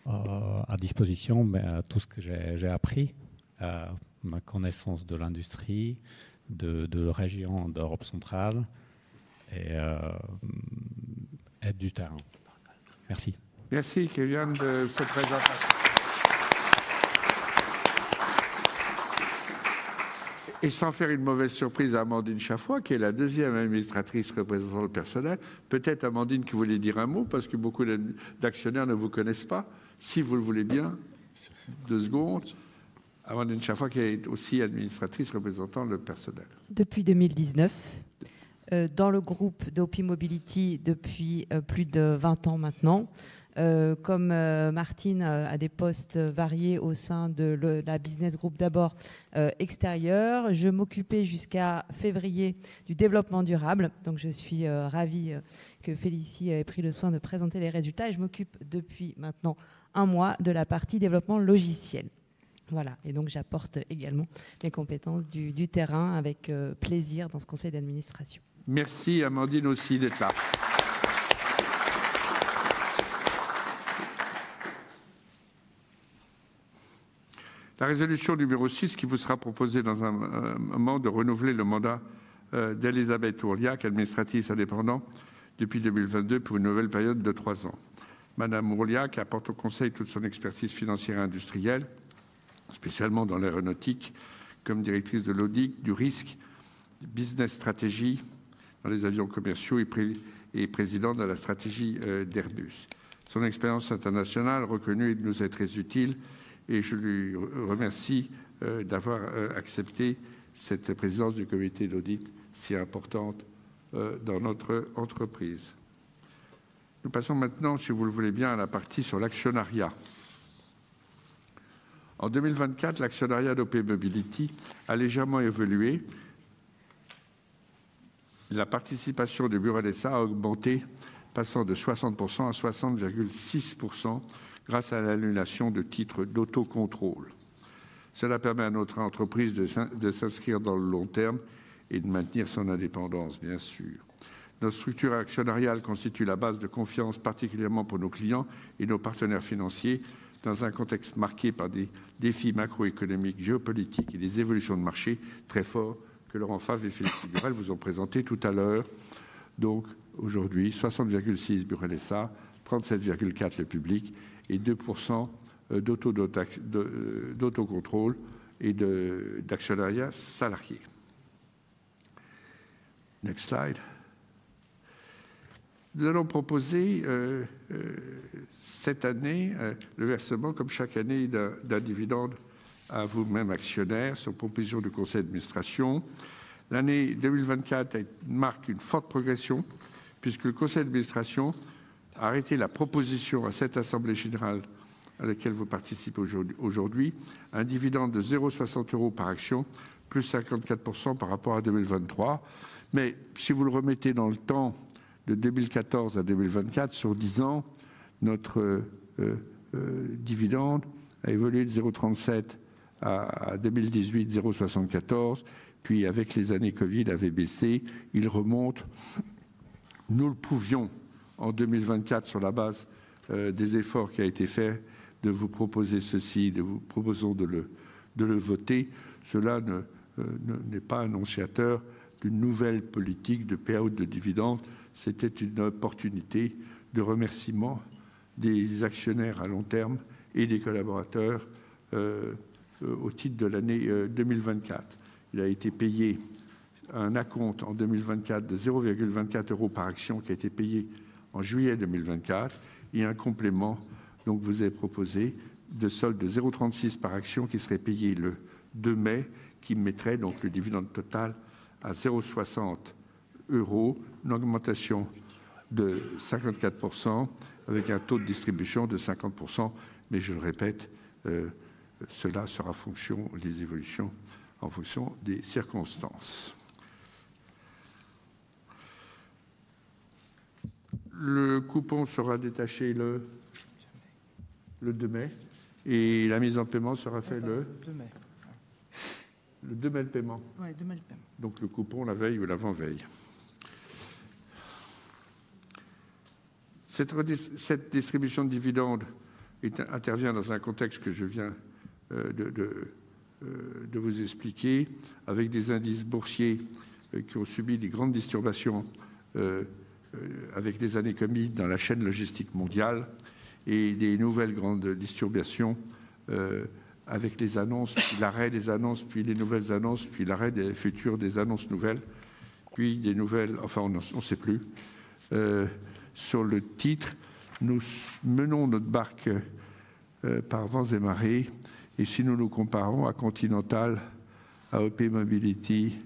à disposition tout ce que j'ai appris, ma connaissance de l'industrie, de la région d'Europe centrale et du terrain. Merci. Merci, Kevian, de cette présentation. Et sans faire une mauvaise surprise à Amandine Chaffois, qui est la deuxième administratrice représentant le personnel, peut-être Amandine qui voulait dire un mot, parce que beaucoup d'actionnaires ne vous connaissent pas. Si vous le voulez bien, deux secondes. Amandine Chafroy, qui est aussi administratrice représentant le personnel. Depuis 2019, dans le groupe d'OPmobility depuis plus de 20 ans maintenant. Comme Martine a des postes variés au sein du Business Group, d'abord extérieure, je m'occupais jusqu'à février du développement durable. Donc je suis ravie que Félicie ait pris le soin de présenter les résultats. Et je m'occupe depuis maintenant un mois de la partie développement logiciel. Voilà. Et donc j'apporte également mes compétences du terrain avec plaisir dans ce conseil d'administration. Merci Amandine aussi d'être là. La résolution numéro 6, qui vous sera proposée dans un moment, de renouveler le mandat d'Élisabeth Ourliak, Administratrice Indépendante depuis 2022 pour une nouvelle période de trois ans. Madame Ourliak apporte au conseil toute son expertise financière et industrielle, spécialement dans l'aéronautique, comme Directrice de l'Audit du Risque, Business Stratégie dans les avions commerciaux et Présidente de la Stratégie d'Airbus. Son expérience internationale reconnue nous est très utile et je le remercie d'avoir accepté cette présidence du comité d'audit si importante dans notre entreprise. Nous passons maintenant, si vous le voulez bien, à la partie sur l'actionnariat. En 2024, l'actionnariat d'OPmobility a légèrement évolué. La participation du Burelle SA a augmenté, passant de 60% à 60,6% grâce à l'annulation de titres d'autocontrôle. Cela permet à notre entreprise de s'inscrire dans le long terme et de maintenir son indépendance, bien sûr. Notre structure actionnariale constitue la base de confiance, particulièrement pour nos clients et nos partenaires financiers, dans un contexte marqué par des défis macroéconomiques, géopolitiques et des évolutions de marché très forts que Laurent Favre et Félicie Burelle vous ont présentés tout à l'heure. Donc aujourd'hui, 60,6% bureau d'État, 37,4% le public et 2% d'autocontrôle et d'actionnariat salarié. Nous allons proposer cette année le versement, comme chaque année, d'un dividende à vous-même, actionnaire, sur proposition du conseil d'administration. L'année 2024 marque une forte progression puisque le conseil d'administration a arrêté la proposition à cette assemblée générale à laquelle vous participez aujourd'hui d'un dividende de €0,60 par action, plus 54% par rapport à 2023. Mais si vous le remettez dans le temps de 2014 à 2024, sur 10 ans, notre dividende a évolué de €0,37 à 2018, €0,74, puis avec les années Covid, avait baissé, il remonte. Nous le pouvions en 2024 sur la base des efforts qui ont été faits de vous proposer ceci, nous vous proposons de le voter. Cela n'est pas annonciateur d'une nouvelle politique de payout de dividendes. C'était une opportunité de remerciement des actionnaires à long terme et des collaborateurs au titre de l'année 2024. Il a été payé un acompte en 2024 de 0,24 € par action qui a été payé en juillet 2024. Il y a un complément, donc vous avez proposé de solde de 0,36 € par action qui serait payé le 2 mai, qui mettrait donc le dividende total à 0,60 €, une augmentation de 54% avec un taux de distribution de 50%. Mais je le répète, cela sera en fonction des évolutions, en fonction des circonstances. Le coupon sera détaché le 2 mai et la mise en paiement sera faite le 2 mai. Le 2 mai le paiement. Oui, le 2 mai le paiement. Donc le coupon la veille ou l'avant-veille. Cette distribution de dividendes intervient dans un contexte que je viens de vous expliquer, avec des indices boursiers qui ont subi de grandes perturbations avec les années Covid dans la chaîne logistique mondiale et de nouvelles grandes perturbations avec les annonces, puis l'arrêt des annonces, puis les nouvelles annonces, puis l'arrêt des futures annonces nouvelles, puis des nouvelles, enfin on ne sait plus. Sur le titre, nous menons notre barque par vents et marées et si nous nous comparons à Continental, à OPmobility,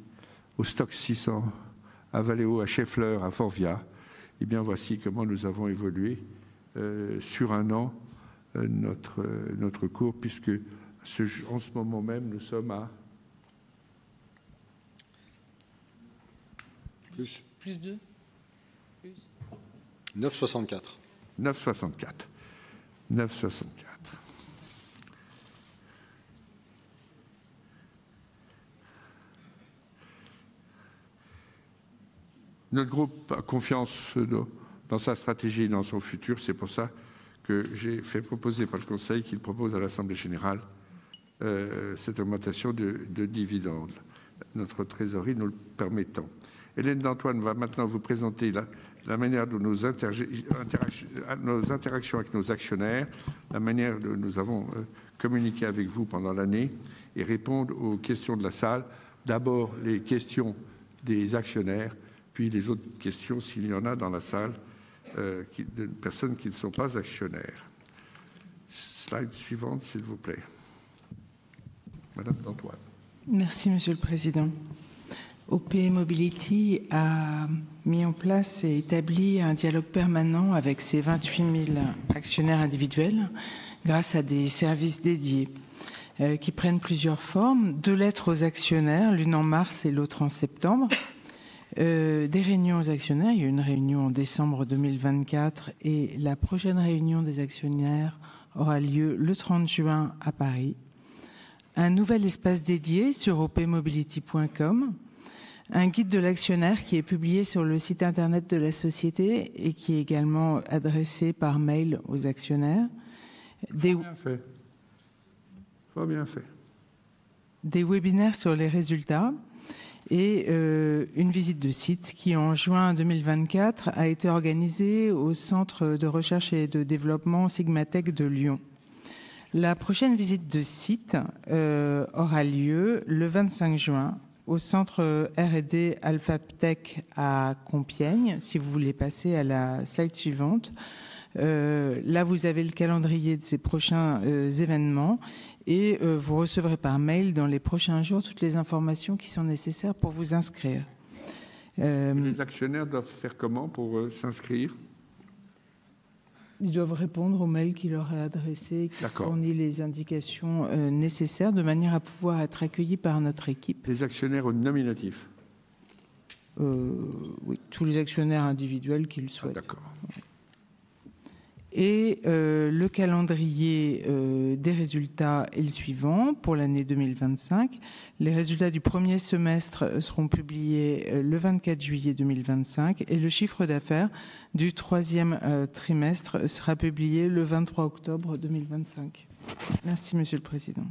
au Stoxx 600, à Valeo, à Schaeffler, à Forvia, voici comment nous avons évolué sur un an notre cours, puisqu'en ce moment même nous sommes à plus 2,9 %, 9,64 €. Notre groupe a confiance dans sa stratégie et dans son futur, c'est pour ça que j'ai fait proposer par le conseil qu'il propose à l'assemblée générale cette augmentation de dividendes. Notre trésorerie nous le permettant, Hélène d'Antoine va maintenant vous présenter la manière de nos interactions avec nos actionnaires, la manière dont nous avons communiqué avec vous pendant l'année et répondre aux questions de la salle. D'abord les questions des actionnaires, puis les autres questions s'il y en a dans la salle de personnes qui ne sont pas actionnaires. Slide suivante, s'il vous plaît. Madame d'Antoine. Merci, Monsieur le Président. OPmobility a mis en place et établi un dialogue permanent avec ses 28 000 actionnaires individuels grâce à des services dédiés qui prennent plusieurs formes. Deux lettres aux actionnaires, l'une en mars et l'autre en septembre. Des réunions aux actionnaires, il y a eu une réunion en décembre 2024 et la prochaine réunion des actionnaires aura lieu le 30 juin à Paris. Un nouvel espace dédié sur opmobility.com, un guide de l'actionnaire qui est publié sur le site internet de la société et qui est également adressé par mail aux actionnaires. Bien fait. Très bien fait. Des webinaires sur les résultats et une visite de site qui en juin 2024 a été organisée au Centre de recherche et de développement Sigmatech de Lyon. La prochaine visite de site aura lieu le 25 juin au centre R&D Alphatech à Compiègne. Si vous voulez passer à la slide suivante, là vous avez le calendrier de ces prochains événements et vous recevrez par mail dans les prochains jours toutes les informations qui sont nécessaires pour vous inscrire. Les actionnaires doivent faire comment pour s'inscrire? Ils doivent répondre au mail qui leur est adressé et qui fournit les indications nécessaires de manière à pouvoir être accueillis par notre équipe. Les actionnaires nominatifs? Oui, tous les actionnaires individuels qu'ils souhaitent. D'accord. Et le calendrier des résultats est le suivant pour l'année 2025. Les résultats du premier semestre seront publiés le 24 juillet 2025 et le chiffre d'affaires du troisième trimestre sera publié le 23 octobre 2025. Merci, Monsieur le Président.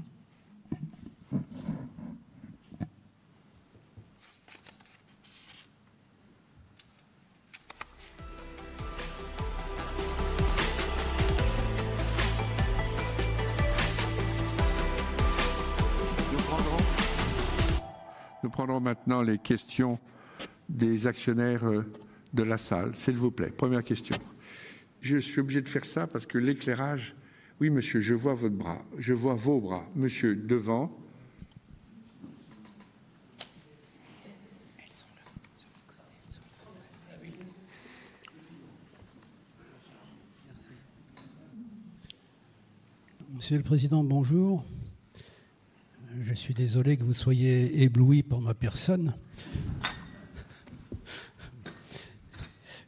Nous prendrons maintenant les questions des actionnaires de la salle, s'il vous plaît. Première question. Je suis obligé de faire ça parce que l'éclairage, oui monsieur, je vois votre bras, je vois vos bras, monsieur, devant. Elles sont là, sur le côté, elles sont là. Merci. Monsieur le Président, bonjour. Je suis désolé que vous soyez ébloui par ma personne.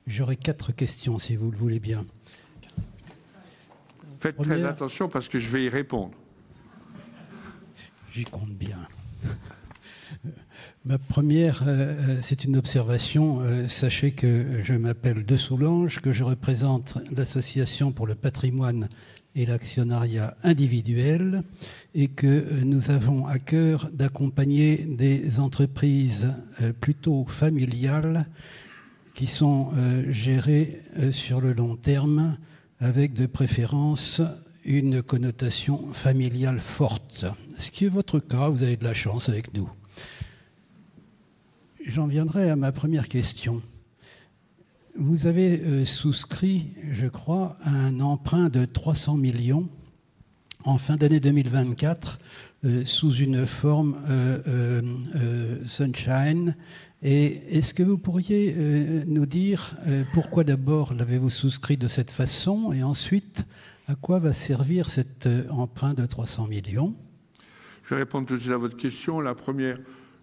J'aurais quatre questions si vous le voulez bien. Faites très attention parce que je vais y répondre. J'y compte bien. Ma première, c'est une observation. Sachez que je m'appelle de Soulages, que je représente l'Association pour le patrimoine et l'actionnariat individuel et que nous avons à cœur d'accompagner des entreprises plutôt familiales qui sont gérées sur le long terme avec de préférence une connotation familiale forte. Ce qui est votre cas, vous avez de la chance avec nous. J'en viendrai à ma première question. Vous avez souscrit, je crois, à un emprunt de 300 millions € en fin d'année 2024 sous une forme Schuldschein. Est-ce que vous pourriez nous dire pourquoi d'abord l'avez-vous souscrit de cette façon et ensuite à quoi va servir cet emprunt de 300 millions €? Je vais répondre tout de suite à votre question. La première,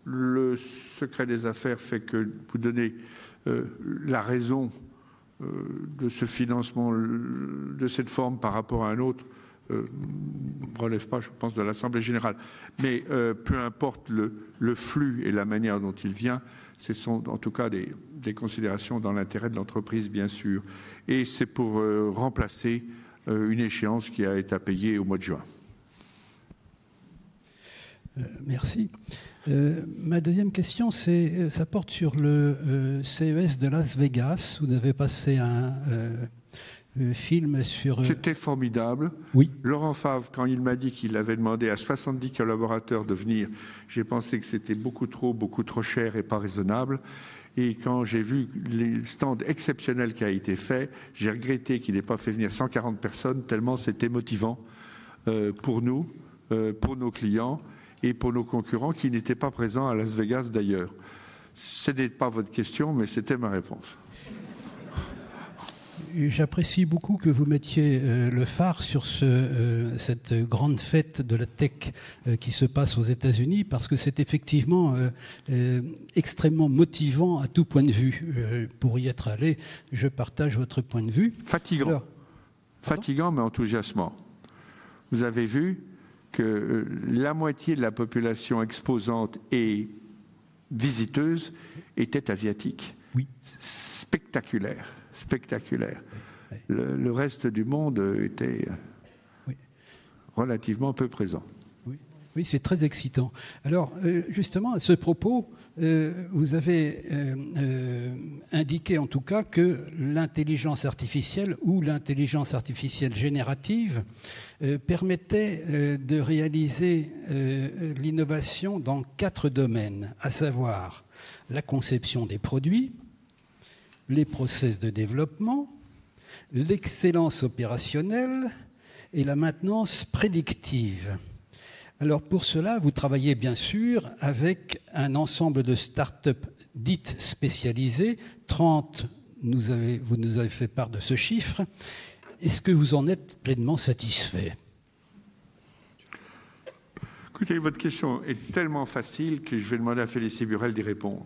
le secret des affaires fait que vous donnez la raison de ce financement de cette forme par rapport à un autre ne relève pas, je pense, de l'assemblée générale. Mais peu importe le flux et la manière dont il vient, ce sont en tout cas des considérations dans l'intérêt de l'entreprise, bien sûr. Et c'est pour remplacer une échéance qui a été à payer au mois de juin. Merci. Ma deuxième question, ça porte sur le CES de Las Vegas. Vous avez passé un film sur... C'était formidable. Laurent Favre, quand il m'a dit qu'il avait demandé à 70 collaborateurs de venir, j'ai pensé que c'était beaucoup trop, beaucoup trop cher et pas raisonnable. Et quand j'ai vu le stand exceptionnel qui a été fait, j'ai regretté qu'il n'ait pas fait venir 140 personnes, tellement c'était motivant pour nous, pour nos clients et pour nos concurrents qui n'étaient pas présents à Las Vegas d'ailleurs. Ce n'est pas votre question, mais c'était ma réponse. J'apprécie beaucoup que vous mettiez le phare sur cette grande fête de la tech qui se passe aux États-Unis, parce que c'est effectivement extrêmement motivant à tout point de vue pour y être allé. Je partage votre point de vue. Fatigant. Fatigant, mais enthousiasmant. Vous avez vu que la moitié de la population exposante et visiteuse était asiatique. Oui. Spectaculaire. Spectaculaire. Le reste du monde était relativement peu présent. Oui, c'est très excitant. Alors justement, à ce propos, vous avez indiqué en tout cas que l'intelligence artificielle ou l'intelligence artificielle générative permettait de réaliser l'innovation dans quatre domaines, à savoir la conception des produits, les process de développement, l'excellence opérationnelle et la maintenance prédictive. Alors pour cela, vous travaillez bien sûr avec un ensemble de startups dites spécialisées. 30, vous nous avez fait part de ce chiffre. Est-ce que vous en êtes pleinement satisfait? Écoutez, votre question est tellement facile que je vais demander à Félicie Burelle d'y répondre.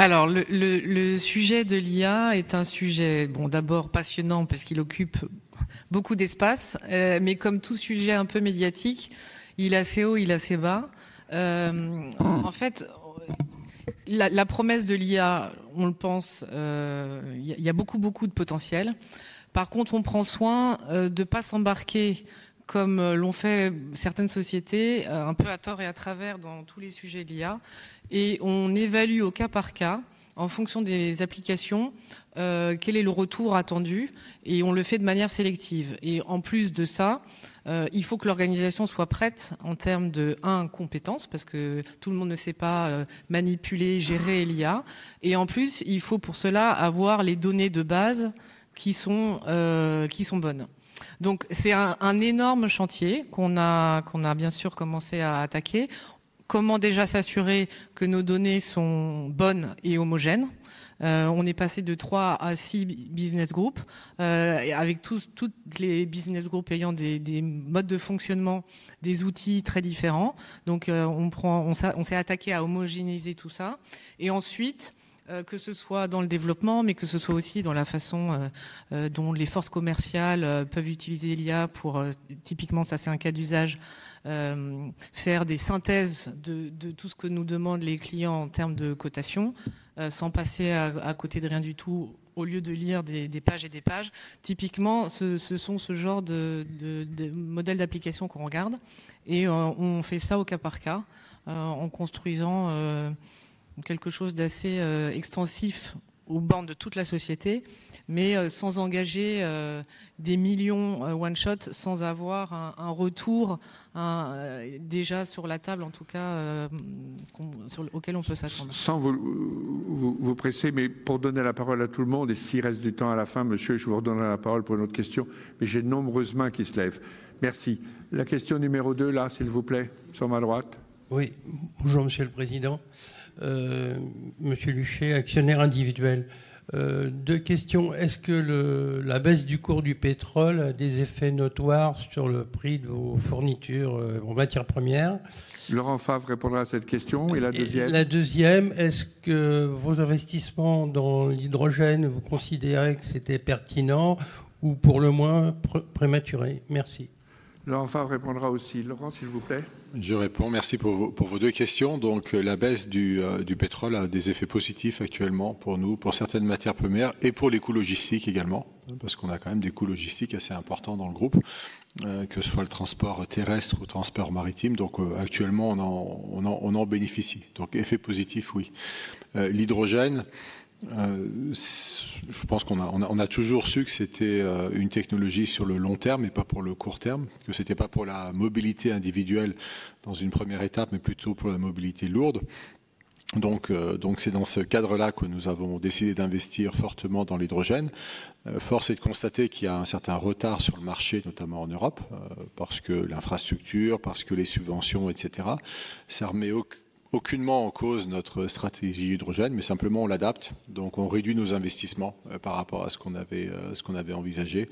Alors, le sujet de l'IA est un sujet, bon, d'abord passionnant parce qu'il occupe beaucoup d'espace, mais comme tout sujet un peu médiatique, il est assez haut, il est assez bas. En fait, la promesse de l'IA, on le pense, il y a beaucoup, beaucoup de potentiel. Par contre, on prend soin de ne pas s'embarquer, comme l'ont fait certaines sociétés, un peu à tort et à travers dans tous les sujets de l'IA, et on évalue au cas par cas, en fonction des applications, quel est le retour attendu, et on le fait de manière sélective. Et en plus de ça, il faut que l'organisation soit prête en termes de, un, compétences, parce que tout le monde ne sait pas manipuler, gérer l'IA, et en plus, il faut pour cela avoir les données de base qui sont bonnes. Donc, c'est un énorme chantier qu'on a, bien sûr, commencé à attaquer. Comment déjà s'assurer que nos données sont bonnes et homogènes? On est passé de trois à six business groups, avec tous les business groups ayant des modes de fonctionnement, des outils très différents. Donc, on s'est attaqué à homogénéiser tout ça. Et ensuite, que ce soit dans le développement, mais que ce soit aussi dans la façon dont les forces commerciales peuvent utiliser l'IA pour, typiquement, ça c'est un cas d'usage, faire des synthèses de tout ce que nous demandent les clients en termes de cotations, sans passer à côté de rien du tout, au lieu de lire des pages et des pages. Typiquement, ce sont ce genre de modèles d'applications qu'on regarde, et on fait ça au cas par cas, en construisant quelque chose d'assez extensif aux bornes de toute la société, mais sans engager des millions one shot, sans avoir un retour déjà sur la table, en tout cas, auquel on peut s'attendre. Sans vous presser, mais pour donner la parole à tout le monde, et s'il reste du temps à la fin, monsieur, je vous redonnerai la parole pour une autre question, mais j'ai de nombreuses mains qui se lèvent. Merci. La question numéro 2, là, s'il vous plaît, sur ma droite. Oui. Bonjour, Monsieur le Président. Monsieur Luchet, actionnaire individuel. Deux questions. Est-ce que la baisse du cours du pétrole a des effets notoires sur le prix de vos fournitures en matières premières? Laurent Favre répondra à cette question. Et la deuxième? La deuxième, est-ce que vos investissements dans l'hydrogène, vous considérez que c'était pertinent ou pour le moins prématuré? Merci. Laurent Favre répondra aussi. Laurent, s'il vous plaît. Je réponds. Merci pour vos deux questions. Donc, la baisse du pétrole a des effets positifs actuellement pour nous, pour certaines matières premières et pour les coûts logistiques également, parce qu'on a quand même des coûts logistiques assez importants dans le groupe, que ce soit le transport terrestre ou le transport maritime. Donc, actuellement, on en bénéficie. Donc, effet positif, oui. L'hydrogène, je pense qu'on a toujours su que c'était une technologie sur le long terme et pas pour le court terme, que ce n'était pas pour la mobilité individuelle dans une première étape, mais plutôt pour la mobilité lourde. C'est dans ce cadre-là que nous avons décidé d'investir fortement dans l'hydrogène. Force est de constater qu'il y a un certain retard sur le marché, notamment en Europe, parce que l'infrastructure, parce que les subventions, etc. Ça ne remet aucunement en cause notre stratégie hydrogène, mais simplement on l'adapte. Donc, on réduit nos investissements par rapport à ce qu'on avait envisagé.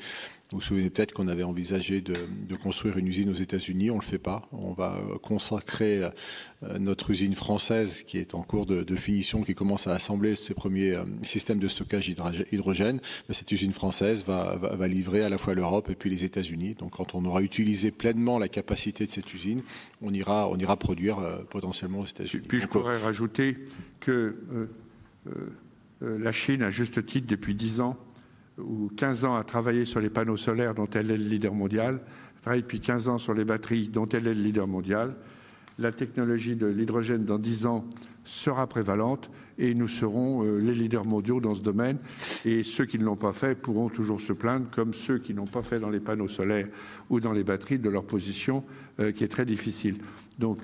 Vous vous souvenez peut-être qu'on avait envisagé de construire une usine aux États-Unis. On ne le fait pas. On va consacrer notre usine française, qui est en cours de finition, qui commence à assembler ses premiers systèmes de stockage d'hydrogène. Cette usine française va livrer à la fois l'Europe et puis les États-Unis. Quand on aura utilisé pleinement la capacité de cette usine, on ira produire potentiellement aux États-Unis. Puis je pourrais rajouter que la Chine, à juste titre, depuis 10 ans ou 15 ans, a travaillé sur les panneaux solaires dont elle est le leader mondial. Elle travaille depuis 15 ans sur les batteries dont elle est le leader mondial. La technologie de l'hydrogène, dans 10 ans, sera prévalente et nous serons les leaders mondiaux dans ce domaine. Et ceux qui ne l'ont pas fait pourront toujours se plaindre, comme ceux qui n'ont pas fait dans les panneaux solaires ou dans les batteries, de leur position qui est très difficile. Donc,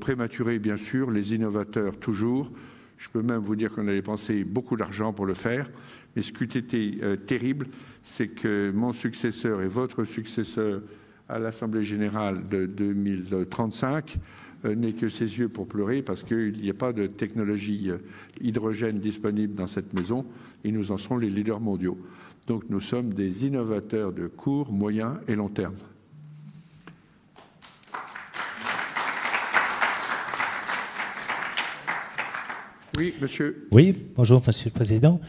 prématuré, bien sûr, les innovateurs, toujours. Je peux même vous dire qu'on avait pensé beaucoup d'argent pour le faire. Mais ce qui a été terrible, c'est que mon successeur et votre successeur à l'assemblée générale de 2035 n'aient que ses yeux pour pleurer, parce qu'il n'y a pas de technologie hydrogène disponible dans cette maison et nous en serons les leaders mondiaux. Donc, nous sommes des innovateurs de court, moyen et long terme. Oui, monsieur? Oui, bonjour, Monsieur le Président.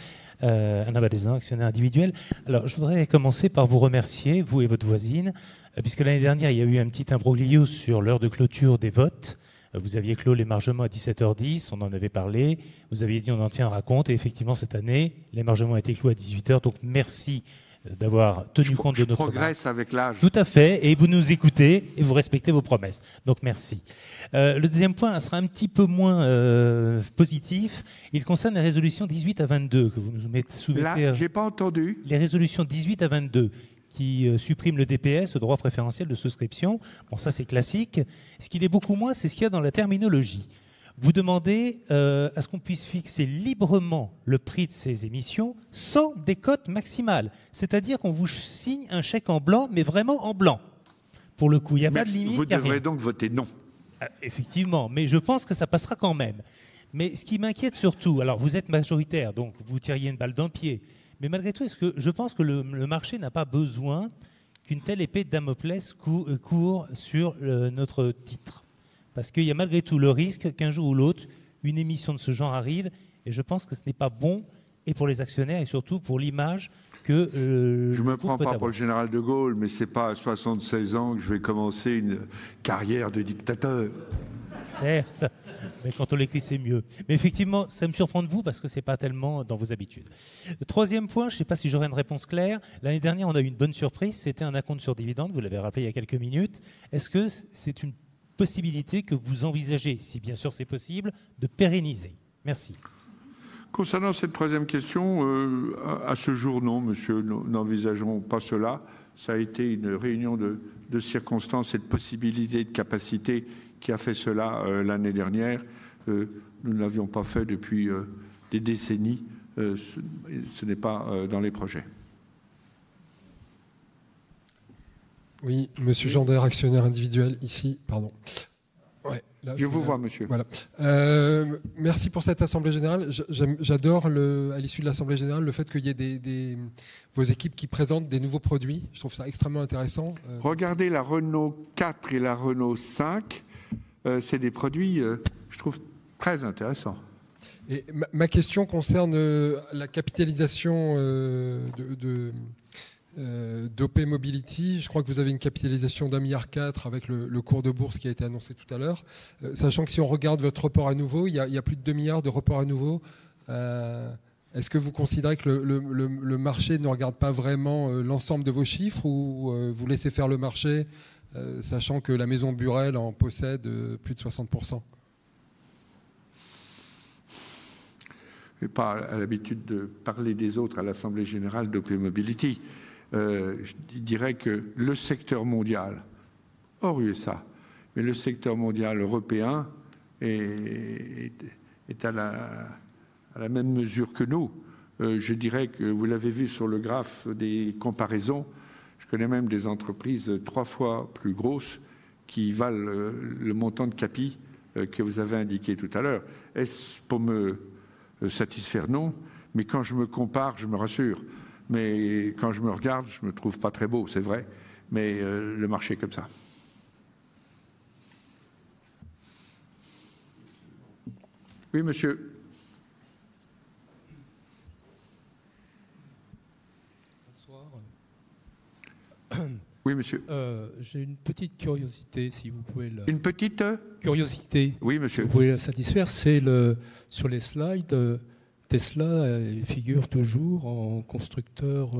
Anna Valaisan, actionnaire individuel. Alors, je voudrais commencer par vous remercier, vous et votre équipe, puisque l'année dernière, il y a eu un petit imbroglio sur l'heure de clôture des votes. Vous aviez clos l'émargement à 17h10, on en avait parlé. Vous aviez dit qu'on en tiendra compte. Et effectivement, cette année, l'émargement a été clos à 18h00. Donc, merci d'avoir tenu compte de notre... On progresse avec l'âge. Tout à fait. Et vous nous écoutez et vous respectez vos promesses. Donc, merci. Le deuxième point sera un petit peu moins positif. Il concerne les résolutions 18 à 22 que vous nous mettez... Là, je n'ai pas entendu. Les résolutions 18 à 22 qui suppriment le DPS, le droit préférentiel de souscription. Bon, ça, c'est classique. Ce qui l'est beaucoup moins, c'est ce qu'il y a dans la terminologie. Vous demandez à ce qu'on puisse fixer librement le prix de ces émissions sans décote maximale. C'est-à-dire qu'on vous signe un chèque en blanc, mais vraiment en blanc. Pour le coup, il n'y a pas de limite derrière. Vous devriez donc voter non. Effectivement, mais je pense que ça passera quand même. Mais ce qui m'inquiète surtout, alors vous êtes majoritaire, donc vous tireriez une balle dans le pied. Mais malgré tout, est-ce que je pense que le marché n'a pas besoin qu'une telle épée de Damoclès coure sur notre titre ? Parce qu'il y a malgré tout le risque qu'un jour ou l'autre, une émission de ce genre arrive. Et je pense que ce n'est pas bon, et pour les actionnaires, et surtout pour l'image que... Je ne me prends pas pour le général de Gaulle, mais ce n'est pas à 76 ans que je vais commencer une carrière de dictateur. Certes, mais quand on l'écrit, c'est mieux. Mais effectivement, ça me surprend de vous, parce que ce n'est pas tellement dans vos habitudes. Troisième point, je ne sais pas si j'aurai une réponse claire. L'année dernière, on a eu une bonne surprise. C'était un acompte sur dividendes, vous l'avez rappelé il y a quelques minutes. Est-ce que c'est une possibilité que vous envisagez, si bien sûr c'est possible, de pérenniser? Merci. Concernant cette troisième question, à ce jour, non, Monsieur, nous n'envisagerons pas cela. Ça a été une réunion de circonstances et de possibilités et de capacités qui a fait cela l'année dernière. Nous ne l'avions pas fait depuis des décennies. Ce n'est pas dans les projets. Oui, Monsieur le gendarme actionnaire individuel ici. Pardon. Oui, là je vous vois, Monsieur. Voilà. Merci pour cette assemblée générale. J'adore, à l'issue de l'assemblée générale, le fait qu'il y ait de vos équipes qui présentent des nouveaux produits. Je trouve ça extrêmement intéressant. Regardez la Renault 4 et la Renault 5. Ce sont des produits, je trouve, très intéressants. Ma question concerne la capitalisation d'OP Mobility. Je crois que vous avez une capitalisation d'€1,4 milliard avec le cours de bourse qui a été annoncé tout à l'heure. Sachant que si on regarde votre report à nouveau, il y a plus de €2 milliards de report à nouveau. Est-ce que vous considérez que le marché ne regarde pas vraiment l'ensemble de vos chiffres ou vous laissez faire le marché, sachant que la Maison Burelle en possède plus de 60%? Je n'ai pas l'habitude de parler des autres à l'assemblée générale d'OP Mobility. Je dirais que le secteur mondial, hors USA, mais le secteur mondial européen est à la même mesure que nous. Je dirais que vous l'avez vu sur le graphe des comparaisons. Je connais même des entreprises trois fois plus grosses qui valent le montant de capitalisation que vous avez indiqué tout à l'heure. Est-ce pour me satisfaire? Non. Mais quand je me compare, je me rassure. Mais quand je me regarde, je ne me trouve pas très beau, c'est vrai. Mais le marché est comme ça. Oui, monsieur. Bonsoir. Oui, monsieur. J'ai une petite curiosité, si vous pouvez le... Une petite? Curiosité. Oui, monsieur. Vous pouvez la satisfaire? C'est sur les slides, Tesla figure toujours en constructeur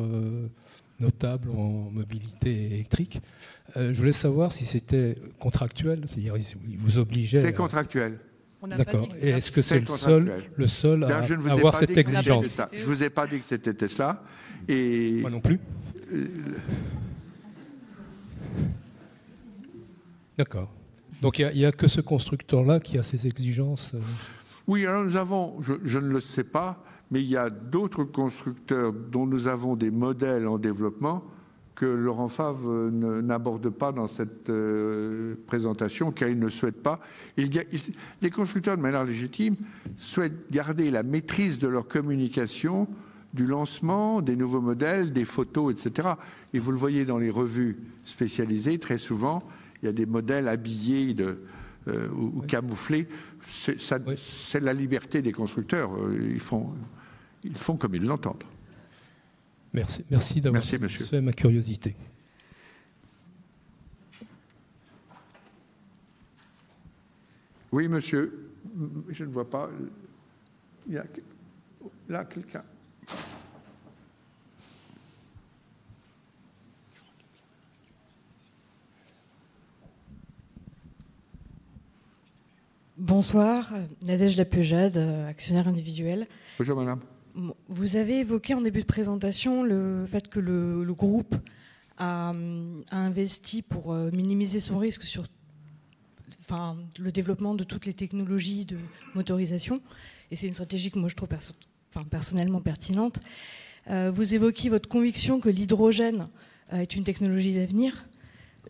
notable en mobilité électrique. Je voulais savoir si c'était contractuel, c'est-à-dire il vous obligeait. C'est contractuel. On n'a pas dit contractuel. Est-ce que c'est le seul à avoir cette exigence? Je ne vous ai pas dit que c'était Tesla. Et moi non plus. D'accord. Donc, il n'y a que ce constructeur-là qui a ces exigences? Oui, alors nous avons, je ne le sais pas, mais il y a d'autres constructeurs dont nous avons des modèles en développement que Laurent Favre n'aborde pas dans cette présentation, car il ne le souhaite pas. Les constructeurs de manière légitime souhaitent garder la maîtrise de leur communication du lancement des nouveaux modèles, des photos, etc. Vous le voyez dans les revues spécialisées, très souvent, il y a des modèles habillés ou camouflés. C'est la liberté des constructeurs. Ils font comme ils l'entendent. Merci. Merci d'avoir poussé ma curiosité. Oui, monsieur. Je ne vois pas. Il y a quelqu'un? Bonsoir. Nadège Lapejade, actionnaire individuel. Bonjour, madame. Vous avez évoqué en début de présentation le fait que le groupe a investi pour minimiser son risque sur le développement de toutes les technologies de motorisation. C'est une stratégie que moi, je trouve personnellement pertinente. Vous évoquiez votre conviction que l'hydrogène est une technologie d'avenir.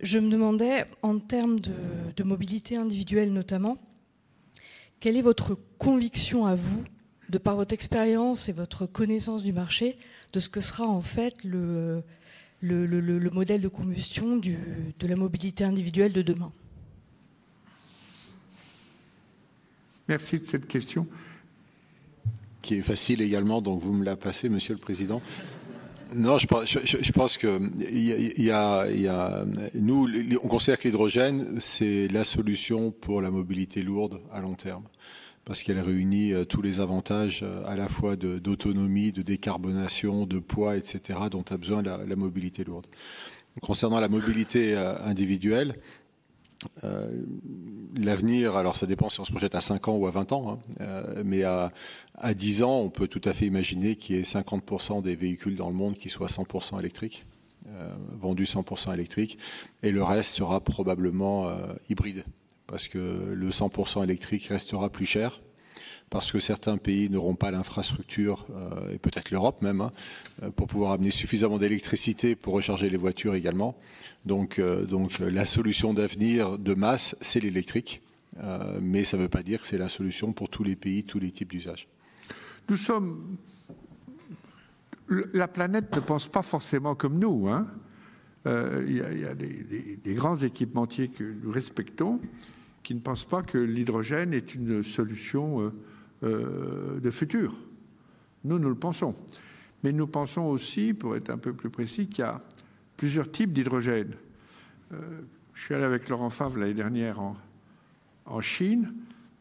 Je me demandais, en termes de mobilité individuelle notamment, quelle est votre conviction à vous, de par votre expérience et votre connaissance du marché, de ce que sera en fait le modèle de combustion de la mobilité individuelle de demain? Merci de cette question qui est facile également, donc vous me la passez, Monsieur le Président. Non, je pense qu'il y a... Nous, on considère que l'hydrogène, c'est la solution pour la mobilité lourde à long terme, parce qu'elle réunit tous les avantages à la fois d'autonomie, de décarbonation, de poids, etc., dont a besoin la mobilité lourde. Concernant la mobilité individuelle, l'avenir, alors ça dépend si on se projette à 5 ans ou à 20 ans, mais à 10 ans, on peut tout à fait imaginer qu'il y ait 50% des véhicules dans le monde qui soient 100% électriques, vendus 100% électriques, et le reste sera probablement hybride, parce que le 100% électrique restera plus cher, parce que certains pays n'auront pas l'infrastructure, et peut-être l'Europe même, pour pouvoir amener suffisamment d'électricité pour recharger les voitures également. Donc, la solution d'avenir de masse, c'est l'électrique, mais ça ne veut pas dire que c'est la solution pour tous les pays, tous les types d'usages. Nous sommes... La planète ne pense pas forcément comme nous. Il y a des grands équipementiers que nous respectons, qui ne pensent pas que l'hydrogène est une solution de futur. Nous, nous le pensons. Mais nous pensons aussi, pour être un peu plus précis, qu'il y a plusieurs types d'hydrogène. Je suis allé avec Laurent Favre l'année dernière en Chine.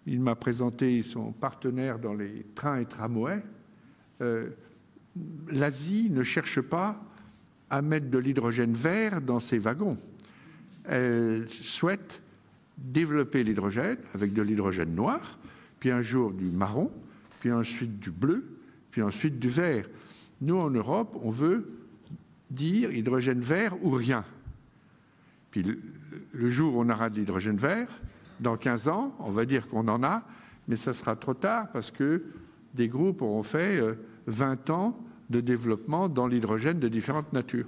Il m'a présenté son partenaire dans les trains et tramways. L'Asie ne cherche pas à mettre de l'hydrogène vert dans ses wagons. Elle souhaite développer l'hydrogène avec de l'hydrogène noir, puis un jour du marron, puis ensuite du bleu, puis ensuite du vert. Nous, en Europe, on veut dire hydrogène vert ou rien. Puis, le jour où on aura de l'hydrogène vert, dans 15 ans, on va dire qu'on en a, mais ce sera trop tard, parce que des groupes auront fait 20 ans de développement dans l'hydrogène de différentes natures.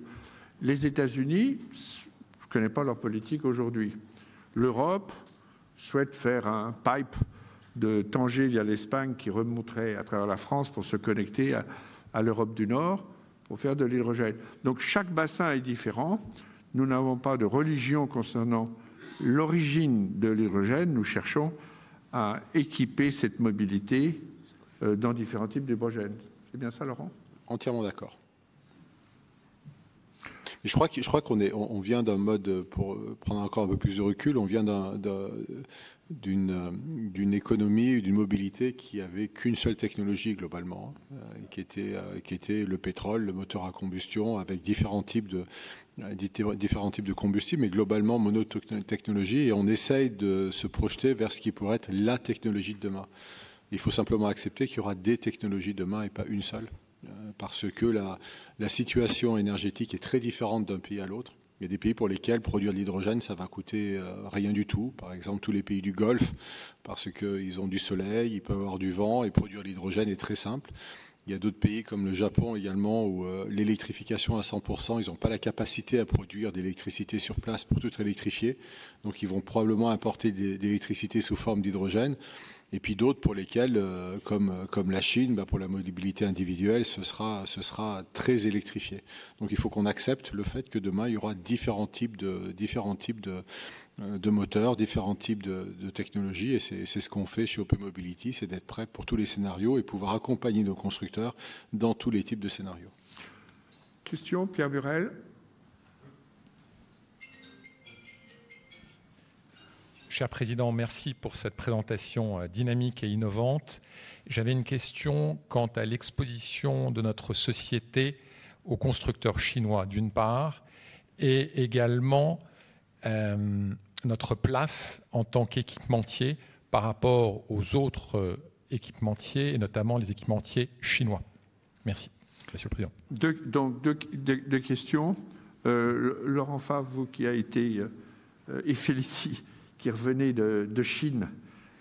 Les États-Unis, je ne connais pas leur politique aujourd'hui. L'Europe souhaite faire un pipeline de Tanger via l'Espagne qui remonterait à travers la France pour se connecter à l'Europe du Nord, pour faire de l'hydrogène. Donc, chaque bassin est différent. Nous n'avons pas de religion concernant l'origine de l'hydrogène. Nous cherchons à équiper cette mobilité dans différents types d'hydrogène. C'est bien ça, Laurent? Entièrement d'accord. Mais je crois qu'on vient d'un mode, pour prendre encore un peu plus de recul, on vient d'une économie ou d'une mobilité qui n'avait qu'une seule technologie, globalement, qui était le pétrole, le moteur à combustion, avec différents types de combustibles, mais globalement monotechnologie. On essaye de se projeter vers ce qui pourrait être la technologie de demain. Il faut simplement accepter qu'il y aura des technologies de demain et pas une seule, parce que la situation énergétique est très différente d'un pays à l'autre. Il y a des pays pour lesquels produire de l'hydrogène, ça ne va coûter rien du tout. Par exemple, tous les pays du Golfe, parce qu'ils ont du soleil, ils peuvent avoir du vent et produire de l'hydrogène est très simple. Il y a d'autres pays comme le Japon également, où l'électrification à 100%, ils n'ont pas la capacité à produire de l'électricité sur place pour tout électrifier. Donc, ils vont probablement importer de l'électricité sous forme d'hydrogène. Et puis d'autres pour lesquels, comme la Chine, pour la mobilité individuelle, ce sera très électrifié. Donc, il faut qu'on accepte le fait que demain, il y aura différents types de moteurs, différents types de technologies. Et c'est ce qu'on fait chez OP Mobility, c'est d'être prêt pour tous les scénarios et pouvoir accompagner nos constructeurs dans tous les types de scénarios. Question, Pierre Burelle. Cher président, merci pour cette présentation dynamique et innovante. J'avais une question quant à l'exposition de notre société aux constructeurs chinois, d'une part, et également notre place en tant qu'équipementier par rapport aux autres équipementiers, et notamment les équipementiers chinois. Merci. Monsieur le président. Donc, deux questions. Laurent Favre, vous qui avez été, et Félicie, qui revenez de Chine,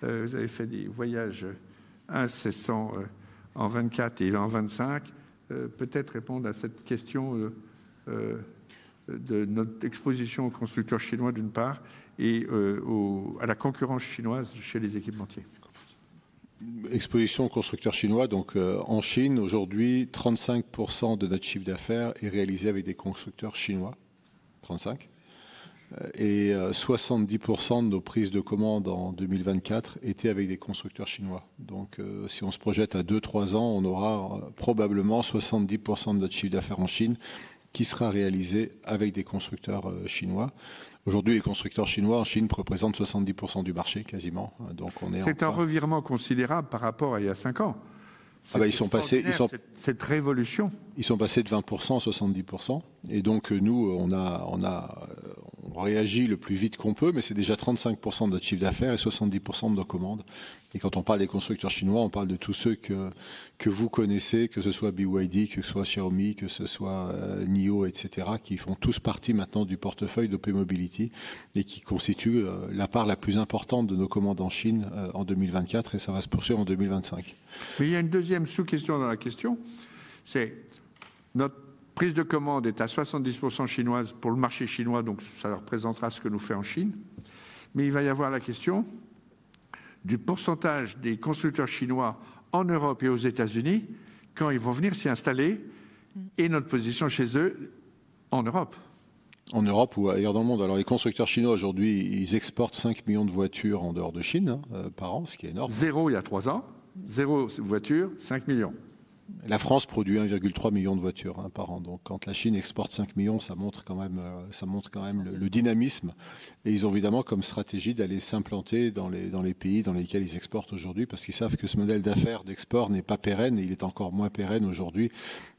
vous avez fait des voyages incessants en 2024 et en 2025. Peut-être répondre à cette question de notre exposition aux constructeurs chinois, d'une part, et à la concurrence chinoise chez les équipementiers. Exposition aux constructeurs chinois, donc en Chine, aujourd'hui, 35% de notre chiffre d'affaires est réalisé avec des constructeurs chinois. 35%. Et 70% de nos prises de commandes en 2024 étaient avec des constructeurs chinois. Donc, si on se projette à 2-3 ans, on aura probablement 70% de notre chiffre d'affaires en Chine qui sera réalisé avec des constructeurs chinois. Aujourd'hui, les constructeurs chinois en Chine représentent 70% du marché, quasiment. Donc, on est en... C'est un revirement considérable par rapport à il y a 5 ans. Ils sont passés de cette révolution. Ils sont passés de 20% à 70%. Et donc, nous, on a réagi le plus vite qu'on peut, mais c'est déjà 35% de notre chiffre d'affaires et 70% de nos commandes. Et quand on parle des constructeurs chinois, on parle de tous ceux que vous connaissez, que ce soit BYD, que ce soit Xiaomi, que ce soit NIO, etc., qui font tous partie maintenant du portefeuille d'OP Mobility et qui constituent la part la plus importante de nos commandes en Chine en 2024, et ça va se poursuivre en 2025. Mais il y a une deuxième sous-question dans la question. C'est notre prise de commande est à 70% chinoise pour le marché chinois, donc ça représentera ce que nous faisons en Chine. Mais il va y avoir la question du pourcentage des constructeurs chinois en Europe et aux États-Unis, quand ils vont venir s'y installer, et notre position chez eux en Europe. En Europe ou ailleurs dans le monde. Alors, les constructeurs chinois aujourd'hui, ils exportent 5 millions de voitures en dehors de Chine par an, ce qui est énorme. Zéro il y a trois ans. Zéro voiture, 5 millions. La France produit 1,3 million de voitures par an. Donc, quand la Chine exporte 5 millions, ça montre quand même le dynamisme. Et ils ont évidemment comme stratégie d'aller s'implanter dans les pays dans lesquels ils exportent aujourd'hui, parce qu'ils savent que ce modèle d'affaires d'export n'est pas pérenne, et il est encore moins pérenne aujourd'hui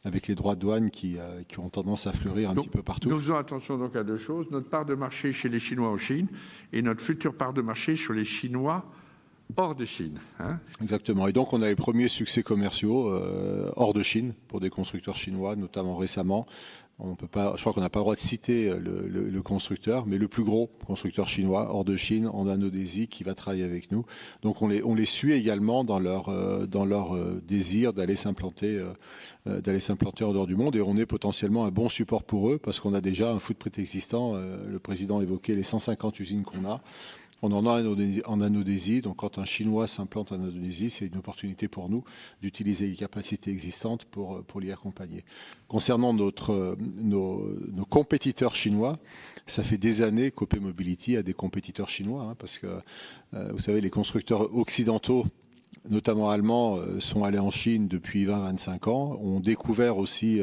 avec les droits de douane qui ont tendance à fleurir un petit peu partout. Nous faisons attention donc à deux choses. Notre part de marché chez les Chinois en Chine et notre future part de marché sur les Chinois hors de Chine. Exactement. Et donc, on a les premiers succès commerciaux hors de Chine pour des constructeurs chinois, notamment récemment. Je crois qu'on n'a pas le droit de citer le constructeur, mais le plus gros constructeur chinois hors de Chine en Indonésie qui va travailler avec nous. Donc, on les suit également dans leur désir d'aller s'implanter en dehors du monde. Et on est potentiellement un bon support pour eux, parce qu'on a déjà un footprint existant. Le président évoquait les 150 usines qu'on a. On en a en Indonésie. Donc, quand un Chinois s'implante en Indonésie, c'est une opportunité pour nous d'utiliser les capacités existantes pour l'y accompagner. Concernant nos compétiteurs chinois, ça fait des années qu'OP Mobility a des compétiteurs chinois, parce que vous savez, les constructeurs occidentaux, notamment allemands, sont allés en Chine depuis 20-25 ans, ont découvert aussi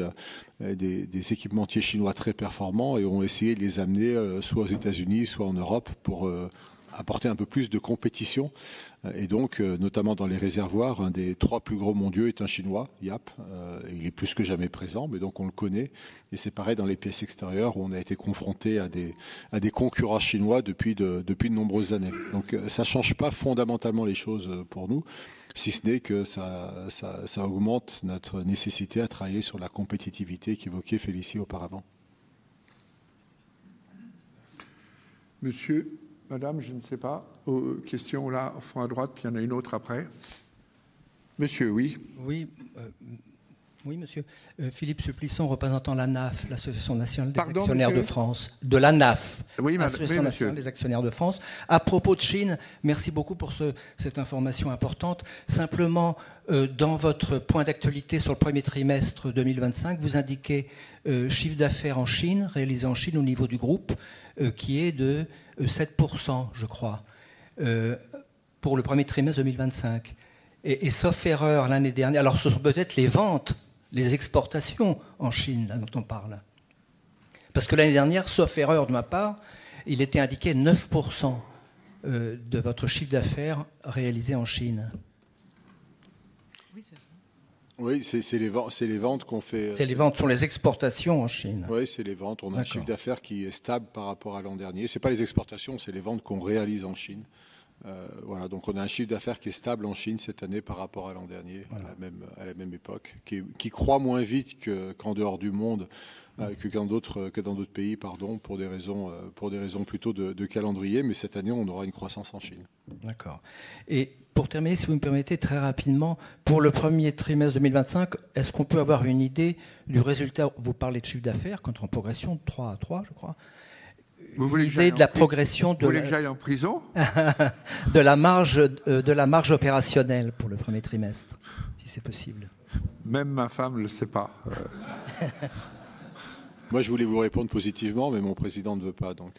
des équipementiers chinois très performants et ont essayé de les amener soit aux États-Unis, soit en Europe pour apporter un peu plus de compétition. Et donc, notamment dans les réservoirs, un des trois plus gros mondiaux est un Chinois, YAPP. Il est plus que jamais présent, mais donc on le connaît. Et c'est pareil dans les pièces extérieures où on a été confronté à des concurrents chinois depuis de nombreuses années. Donc, ça ne change pas fondamentalement les choses pour nous, si ce n'est que ça augmente notre nécessité à travailler sur la compétitivité qu'évoquait Félicie auparavant. Monsieur, madame, je ne sais pas. Question là, en fond à droite, il y en a une autre après. Monsieur, oui. Oui, monsieur. Philippe Suplisson, représentant l'ANAF, l'Association Nationale des Actionnaires de France. De l'ANAF. Oui, Monsieur le Président, l'Association Nationale des Actionnaires de France. À propos de Chine, merci beaucoup pour cette information importante. Simplement, dans votre point d'actualité sur le premier trimestre 2025, vous indiquez chiffre d'affaires en Chine, réalisé en Chine au niveau du groupe, qui est de 7%, je crois, pour le premier trimestre 2025. Et sauf erreur, l'année dernière, alors ce sont peut-être les ventes, les exportations en Chine dont on parle. Parce que l'année dernière, sauf erreur de ma part, il était indiqué 9% de votre chiffre d'affaires réalisé en Chine. Oui, c'est ça. Oui, c'est les ventes qu'on fait... C'est les ventes, ce sont les exportations en Chine. Oui, c'est les ventes. On a un chiffre d'affaires qui est stable par rapport à l'an dernier. Ce n'est pas les exportations, c'est les ventes qu'on réalise en Chine. Voilà. Donc, on a un chiffre d'affaires qui est stable en Chine cette année par rapport à l'an dernier, à la même époque, qui croît moins vite qu'en dehors du monde, que dans d'autres pays, pardon, pour des raisons plutôt de calendrier. Mais cette année, on aura une croissance en Chine. D'accord. Et pour terminer, si vous me permettez, très rapidement, pour le premier trimestre 2025, est-ce qu'on peut avoir une idée du résultat? Vous parlez de chiffre d'affaires qui est en progression de 3 à 3, je crois. Vous voulez que j'aille de la progression de... Vous voulez que j'aille en prison? De la marge opérationnelle pour le premier trimestre, si c'est possible. Même ma femme ne le sait pas. Moi, je voulais vous répondre positivement, mais mon président ne veut pas, donc...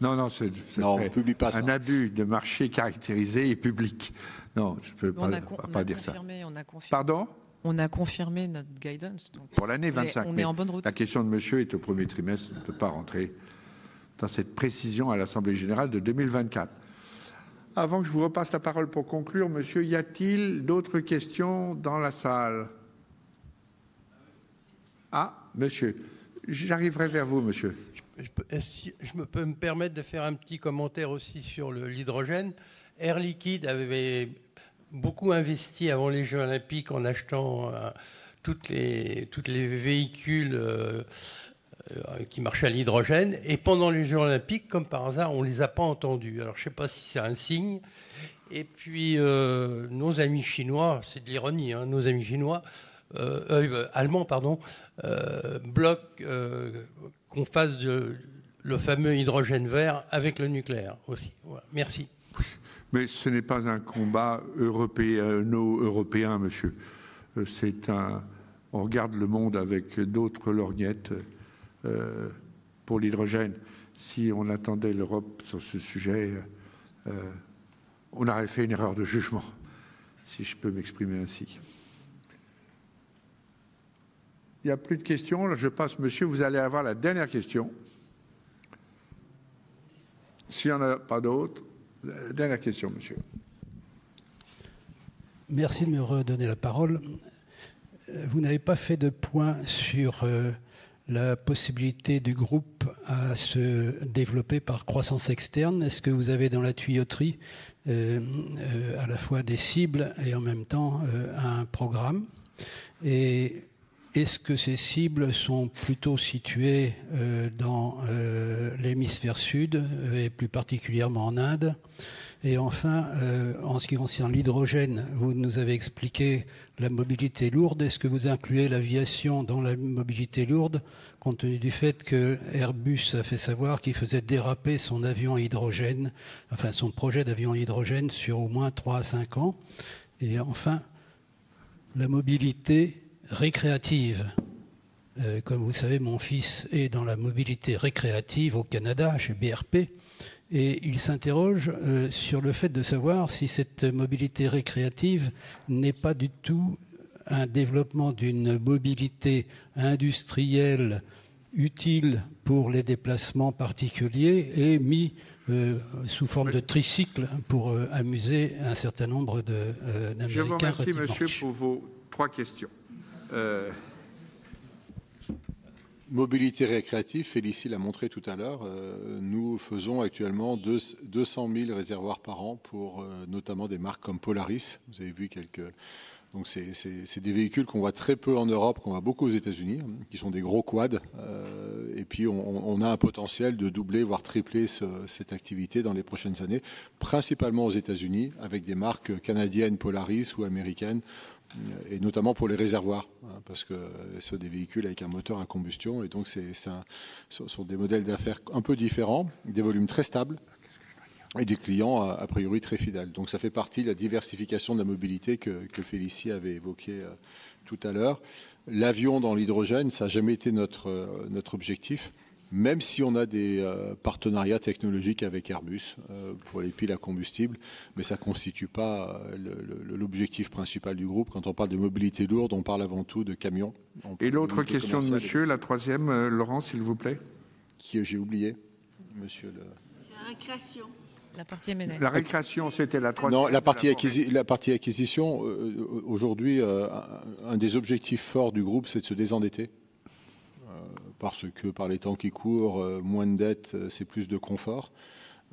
Non, non, c'est un abus de marché caractérisé et public. Non, je ne peux pas dire ça. On a confirmé, on a confirmé. Pardon? On a confirmé notre guidance. Pour l'année 25. La question de monsieur est au premier trimestre, on ne peut pas rentrer dans cette précision à l'Assemblée générale de 2024. Avant que je vous repasse la parole pour conclure, Monsieur, y a-t-il d'autres questions dans la salle? Monsieur. J'arriverai vers vous, Monsieur. Je peux me permettre de faire un petit commentaire aussi sur l'hydrogène. Air Liquide avait beaucoup investi avant les Jeux Olympiques en achetant tous les véhicules qui marchaient à l'hydrogène. Et pendant les Jeux Olympiques, comme par hasard, on ne les a pas entendus. Alors, je ne sais pas si c'est un signe. Et puis, nos amis chinois, c'est de l'ironie, nos amis allemands, pardon, bloquent qu'on fasse le fameux hydrogène vert avec le nucléaire aussi. Merci. Mais ce n'est pas un combat européen, Monsieur. C'est un... On regarde le monde avec d'autres lorgnettes pour l'hydrogène. Si on attendait l'Europe sur ce sujet, on aurait fait une erreur de jugement, si je peux m'exprimer ainsi. Il n'y a plus de questions. Je passe, Monsieur. Vous allez avoir la dernière question. S'il n'y en a pas d'autre, la dernière question, monsieur. Merci de me redonner la parole. Vous n'avez pas fait de point sur la possibilité du groupe à se développer par croissance externe. Est-ce que vous avez dans la tuyauterie à la fois des cibles et en même temps un programme? Et est-ce que ces cibles sont plutôt situées dans l'hémisphère sud et plus particulièrement en Inde? Et enfin, en ce qui concerne l'hydrogène, vous nous avez expliqué la mobilité lourde. Est-ce que vous incluez l'aviation dans la mobilité lourde, compte tenu du fait qu'Airbus a fait savoir qu'il faisait déraper son avion à hydrogène, enfin son projet d'avion à hydrogène sur au moins 3 à 5 ans? Et enfin, la mobilité récréative. Comme vous le savez, mon fils est dans la mobilité récréative au Canada, chez BRP, et il s'interroge sur le fait de savoir si cette mobilité récréative n'est pas du tout un développement d'une mobilité industrielle utile pour les déplacements particuliers et mise sous forme de tricycle pour amuser un certain nombre d'Américains. Je vais vous remercier, Monsieur, pour vos trois questions. Mobilité récréative, Félicie l'a montré tout à l'heure, nous faisons actuellement 200 000 réservoirs par an pour notamment des marques comme Polaris. Vous avez vu quelques... Donc, ce sont des véhicules qu'on voit très peu en Europe, qu'on voit beaucoup aux États-Unis, qui sont des gros quads. Et puis, on a un potentiel de doubler, voire tripler cette activité dans les prochaines années, principalement aux États-Unis, avec des marques canadiennes, Polaris ou américaines, et notamment pour les réservoirs, parce que ce sont des véhicules avec un moteur à combustion. Et donc, ce sont des modèles d'affaires un peu différents, des volumes très stables, et des clients a priori très fidèles. Donc, ça fait partie de la diversification de la mobilité que Félicie avait évoquée tout à l'heure. L'avion dans l'hydrogène, ça n'a jamais été notre objectif, même si on a des partenariats technologiques avec Airbus pour les piles à combustible, mais ça ne constitue pas l'objectif principal du groupe. Quand on parle de mobilité lourde, on parle avant tout de camions. Et l'autre question de monsieur, la troisième, Laurent, s'il vous plaît. J'ai oublié, monsieur le... La partie M&A. La récréation, c'était la troisième. Non, la partie acquisition, aujourd'hui, un des objectifs forts du groupe, c'est de se désendetter, parce que par les temps qui courent, moins de dettes, c'est plus de confort.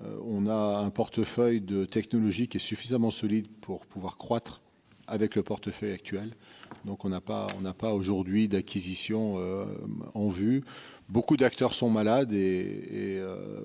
On a un portefeuille de technologies qui est suffisamment solide pour pouvoir croître avec le portefeuille actuel. Donc, on n'a pas aujourd'hui d'acquisition en vue. Beaucoup d'acteurs sont malades et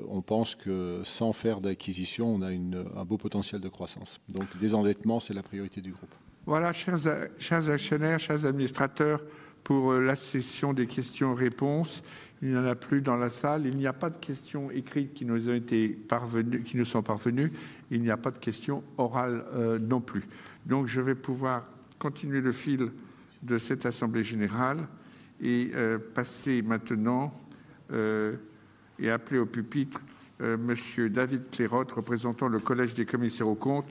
on pense que sans faire d'acquisition, on a un beau potentiel de croissance. Donc, désendettement, c'est la priorité du groupe. Voilà, chers actionnaires, chers administrateurs, pour la session des questions-réponses. Il n'y en a plus dans la salle. Il n'y a pas de questions écrites qui nous ont été parvenues, qui nous sont parvenues. Il n'y a pas de questions orales non plus. Donc, je vais pouvoir continuer le fil de cette assemblée générale et passer maintenant et appeler au pupitre Monsieur David Clairot, représentant le collège des commissaires aux comptes,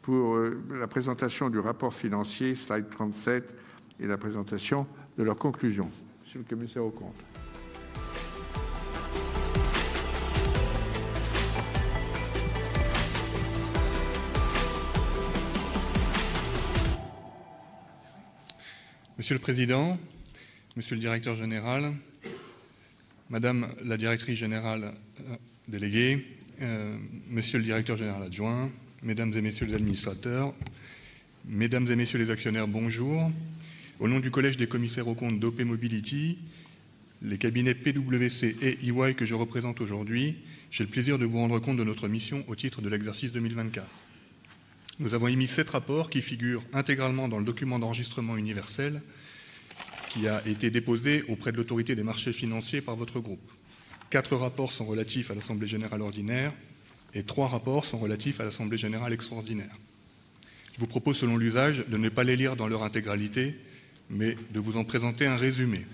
pour la présentation du rapport financier, slide 37, et la présentation de leurs conclusions. Monsieur le Commissaire aux Comptes. Monsieur le Président, Monsieur le Directeur Général, Madame la Directrice Générale Déléguée, Monsieur le Directeur Général Adjoint, Mesdames et Messieurs les Administrateurs, Mesdames et Messieurs les Actionnaires, bonjour. Au nom du collège des commissaires aux comptes d'OP Mobility, les cabinets PwC et EY que je représente aujourd'hui, j'ai le plaisir de vous rendre compte de notre mission au titre de l'exercice 2024. Nous avons émis sept rapports qui figurent intégralement dans le document d'enregistrement universel qui a été déposé auprès de l'Autorité des Marchés Financiers par votre groupe. Quatre rapports sont relatifs à l'assemblée générale ordinaire et trois rapports sont relatifs à l'assemblée générale extraordinaire. Je vous propose, selon l'usage, de ne pas les lire dans leur intégralité, mais de vous en présenter un résumé.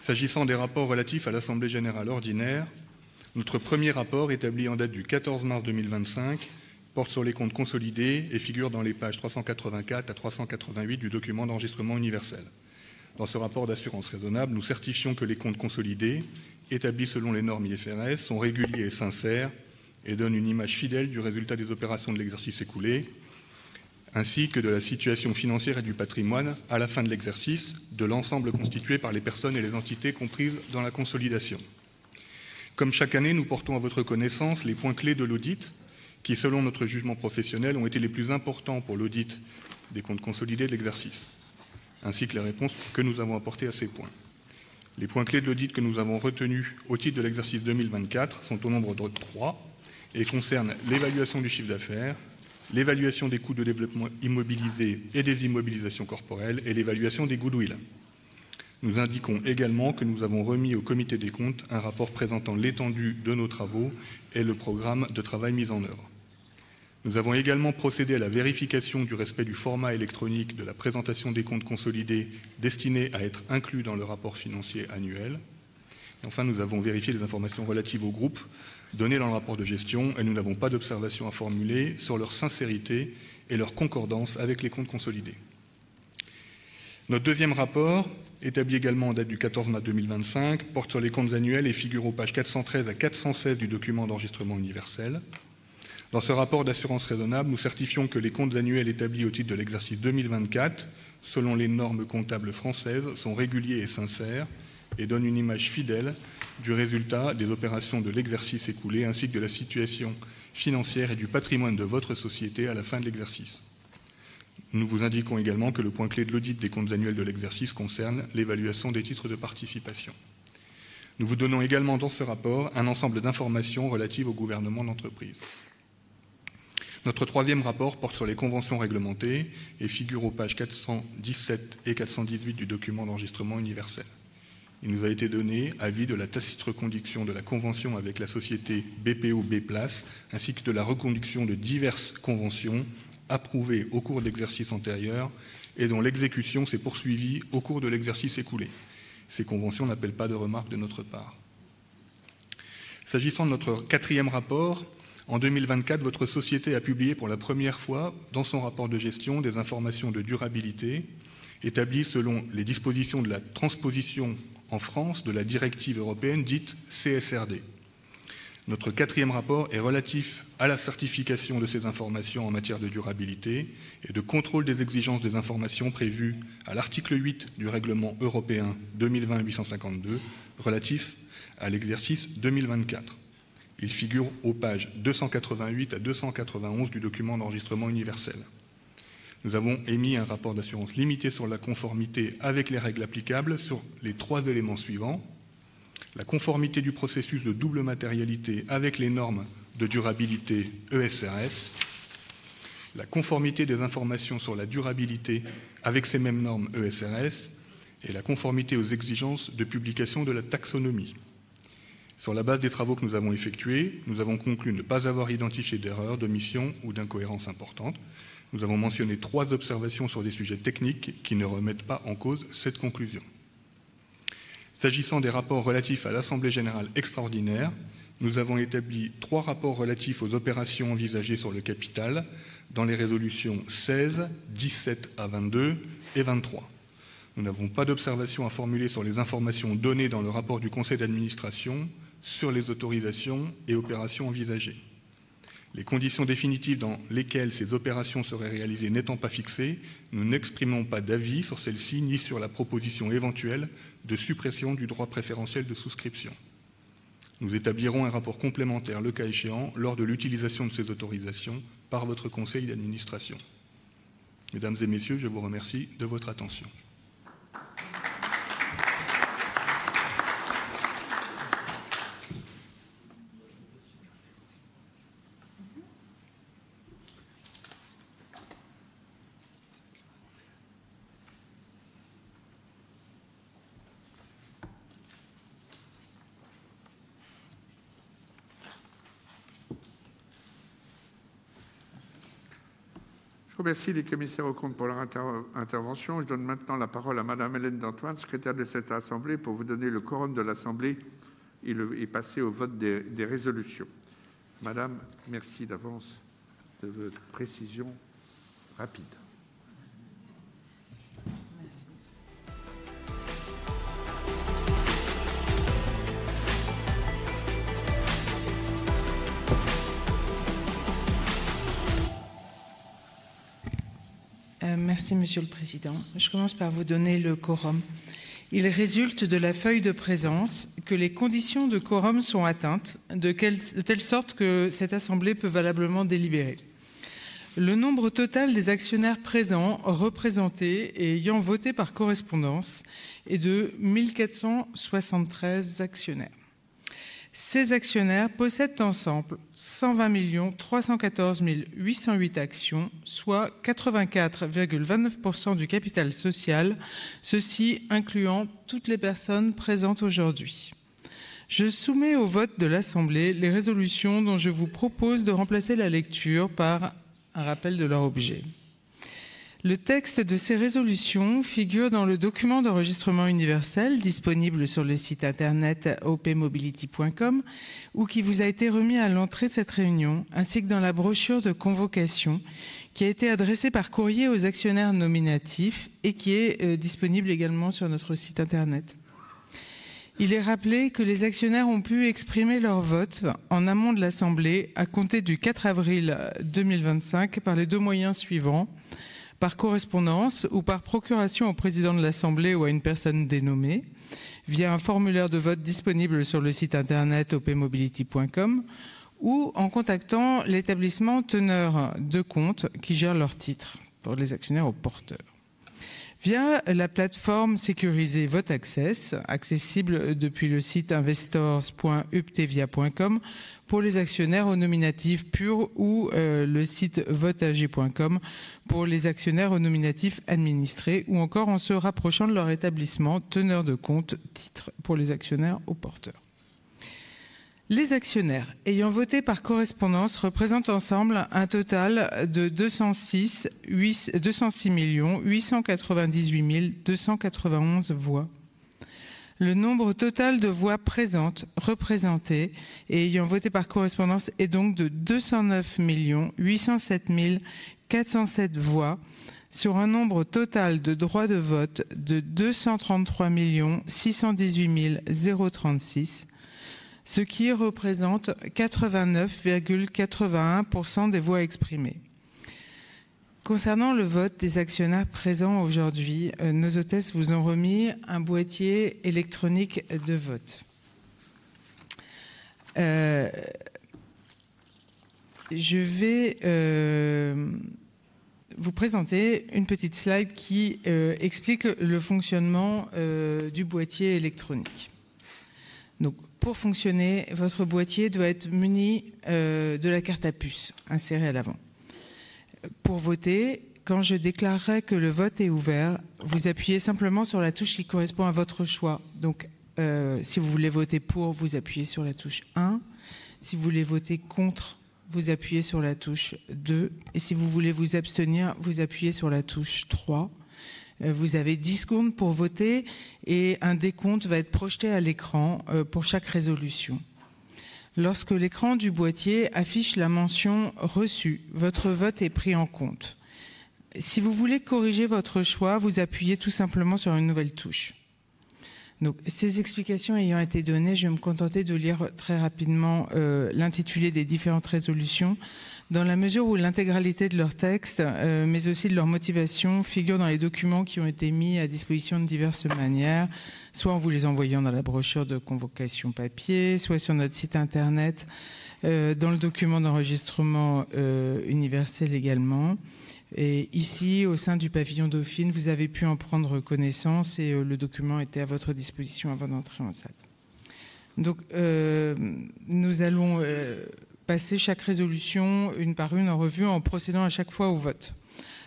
S'agissant des rapports relatifs à l'assemblée générale ordinaire, notre premier rapport, établi en date du 14 mars 2025, porte sur les comptes consolidés et figure dans les pages 384 à 388 du document d'enregistrement universel. Dans ce rapport d'assurance raisonnable, nous certifions que les comptes consolidés, établis selon les normes IFRS, sont réguliers et sincères et donnent une image fidèle du résultat des opérations de l'exercice écoulé, ainsi que de la situation financière et du patrimoine à la fin de l'exercice de l'ensemble constitué par les personnes et les entités comprises dans la consolidation. Comme chaque année, nous portons à votre connaissance les points clés de l'audit qui, selon notre jugement professionnel, ont été les plus importants pour l'audit des comptes consolidés de l'exercice, ainsi que les réponses que nous avons apportées à ces points. Les points clés de l'audit que nous avons retenus au titre de l'exercice 2024 sont au nombre de trois et concernent l'évaluation du chiffre d'affaires, l'évaluation des coûts de développement immobilisés et des immobilisations corporelles, et l'évaluation des goodwill. Nous indiquons également que nous avons remis au comité des comptes un rapport présentant l'étendue de nos travaux et le programme de travail mis en œuvre. Nous avons également procédé à la vérification du respect du format électronique de la présentation des comptes consolidés destinés à être inclus dans le rapport financier annuel. Enfin, nous avons vérifié les informations relatives au groupe données dans le rapport de gestion et nous n'avons pas d'observations à formuler sur leur sincérité et leur concordance avec les comptes consolidés. Notre deuxième rapport, établi également en date du 14 mars 2025, porte sur les comptes annuels et figure aux pages 413 à 416 du document d'enregistrement universel. Dans ce rapport d'assurance raisonnable, nous certifions que les comptes annuels établis au titre de l'exercice 2024, selon les normes comptables françaises, sont réguliers et sincères et donnent une image fidèle du résultat des opérations de l'exercice écoulé ainsi que de la situation financière et du patrimoine de votre société à la fin de l'exercice. Nous vous indiquons également que le point clé de l'audit des comptes annuels de l'exercice concerne l'évaluation des titres de participation. Nous vous donnons également dans ce rapport un ensemble d'informations relatives au gouvernement d'entreprise. Notre troisième rapport porte sur les conventions réglementées et figure aux pages 417 et 418 du document d'enregistrement universel. Il nous a été donné avis de la tacite reconduction de la convention avec la société BPO B-Place ainsi que de la reconduction de diverses conventions approuvées au cours de l'exercice antérieur et dont l'exécution s'est poursuivie au cours de l'exercice écoulé. Ces conventions n'appellent pas de remarques de notre part. S'agissant de notre quatrième rapport, en 2024, votre société a publié pour la première fois dans son rapport de gestion des informations de durabilité établies selon les dispositions de la transposition en France de la directive européenne dite CSRD. Notre quatrième rapport est relatif à la certification de ces informations en matière de durabilité et de contrôle des exigences des informations prévues à l'article 8 du règlement européen 2020-852 relatif à l'exercice 2024. Il figure aux pages 288 à 291 du document d'enregistrement universel. Nous avons émis un rapport d'assurance limitée sur la conformité avec les règles applicables sur les trois éléments suivants: la conformité du processus de double matérialité avec les normes de durabilité ESRS, la conformité des informations sur la durabilité avec ces mêmes normes ESRS et la conformité aux exigences de publication de la taxonomie. Sur la base des travaux que nous avons effectués, nous avons conclu ne pas avoir identifié d'erreurs, d'omissions ou d'incohérences importantes. Nous avons mentionné trois observations sur des sujets techniques qui ne remettent pas en cause cette conclusion. S'agissant des rapports relatifs à l'assemblée générale extraordinaire, nous avons établi trois rapports relatifs aux opérations envisagées sur le capital dans les résolutions 16, 17, 22 et 23. Nous n'avons pas d'observations à formuler sur les informations données dans le rapport du conseil d'administration sur les autorisations et opérations envisagées. Les conditions définitives dans lesquelles ces opérations seraient réalisées n'étant pas fixées, nous n'exprimons pas d'avis sur celles-ci ni sur la proposition éventuelle de suppression du droit préférentiel de souscription. Nous établirons un rapport complémentaire, le cas échéant, lors de l'utilisation de ces autorisations par votre conseil d'administration. Mesdames et Messieurs, je vous remercie de votre attention. Je remercie les commissaires aux comptes pour leur intervention. Je donne maintenant la parole à Madame Hélène Dantoine, secrétaire de cette assemblée, pour vous donner le quorum de l'assemblée et passer au vote des résolutions. Madame, merci d'avance de votre précision rapide. Merci. Merci, Monsieur le Président. Je commence par vous donner le quorum. Il résulte de la feuille de présence que les conditions de quorum sont atteintes de telle sorte que cette assemblée peut valablement délibérer. Le nombre total des actionnaires présents, représentés et ayant voté par correspondance est de 1 473 actionnaires. Ces actionnaires possèdent ensemble 120 314 808 actions, soit 84,29% du capital social, ceci incluant toutes les personnes présentes aujourd'hui. Je soumets au vote de l'assemblée les résolutions dont je vous propose de remplacer la lecture par un rappel de leur objet. Le texte de ces résolutions figure dans le document d'enregistrement universel disponible sur le site internet opmobility.com ou qui vous a été remis à l'entrée de cette réunion, ainsi que dans la brochure de convocation qui a été adressée par courrier aux actionnaires nominatifs et qui est disponible également sur notre site internet. Il est rappelé que les actionnaires ont pu exprimer leur vote en amont de l'assemblée à compter du 4 avril 2025 par les deux moyens suivants : par correspondance ou par procuration au président de l'assemblée ou à une personne dénommée, via un formulaire de vote disponible sur le site internet opmobility.com ou en contactant l'établissement teneur de compte qui gère leur titre pour les actionnaires au porteur, via la plateforme sécurisée Votaccess, accessible depuis le site investors.uptevia.com pour les actionnaires au nominatif pur ou le site vote-ag.com pour les actionnaires au nominatif administrés ou encore en se rapprochant de leur établissement teneur de compte titre pour les actionnaires au porteur. Les actionnaires ayant voté par correspondance représentent ensemble un total de 206 898 291 voix. Le nombre total de voix présentes représentées et ayant voté par correspondance est donc de 209 807 407 voix sur un nombre total de droits de vote de 233 618 036, ce qui représente 89,81% des voix exprimées. Concernant le vote des actionnaires présents aujourd'hui, nos hôtesses vous ont remis un boîtier électronique de vote. Je vais vous présenter une petite slide qui explique le fonctionnement du boîtier électronique. Pour fonctionner, votre boîtier doit être muni de la carte à puce insérée à l'avant. Pour voter, quand je déclarerai que le vote est ouvert, vous appuyez simplement sur la touche qui correspond à votre choix. Si vous voulez voter pour, vous appuyez sur la touche 1. Si vous voulez voter contre, vous appuyez sur la touche 2. Si vous voulez vous abstenir, vous appuyez sur la touche 3. Vous avez 10 secondes pour voter et un décompte va être projeté à l'écran pour chaque résolution. Lorsque l'écran du boîtier affiche la mention « Reçu », votre vote est pris en compte. Si vous voulez corriger votre choix, vous appuyez tout simplement sur une nouvelle touche. Donc, ces explications ayant été données, je vais me contenter de lire très rapidement l'intitulé des différentes résolutions dans la mesure où l'intégralité de leur texte, mais aussi de leur motivation, figure dans les documents qui ont été mis à disposition de diverses manières, soit en vous les envoyant dans la brochure de convocation papier, soit sur notre site internet, dans le document d'enregistrement universel également. Et ici, au sein du pavillon Dauphine, vous avez pu en prendre connaissance et le document était à votre disposition avant d'entrer en salle. Nous allons passer chaque résolution une par une en revue en procédant à chaque fois au vote.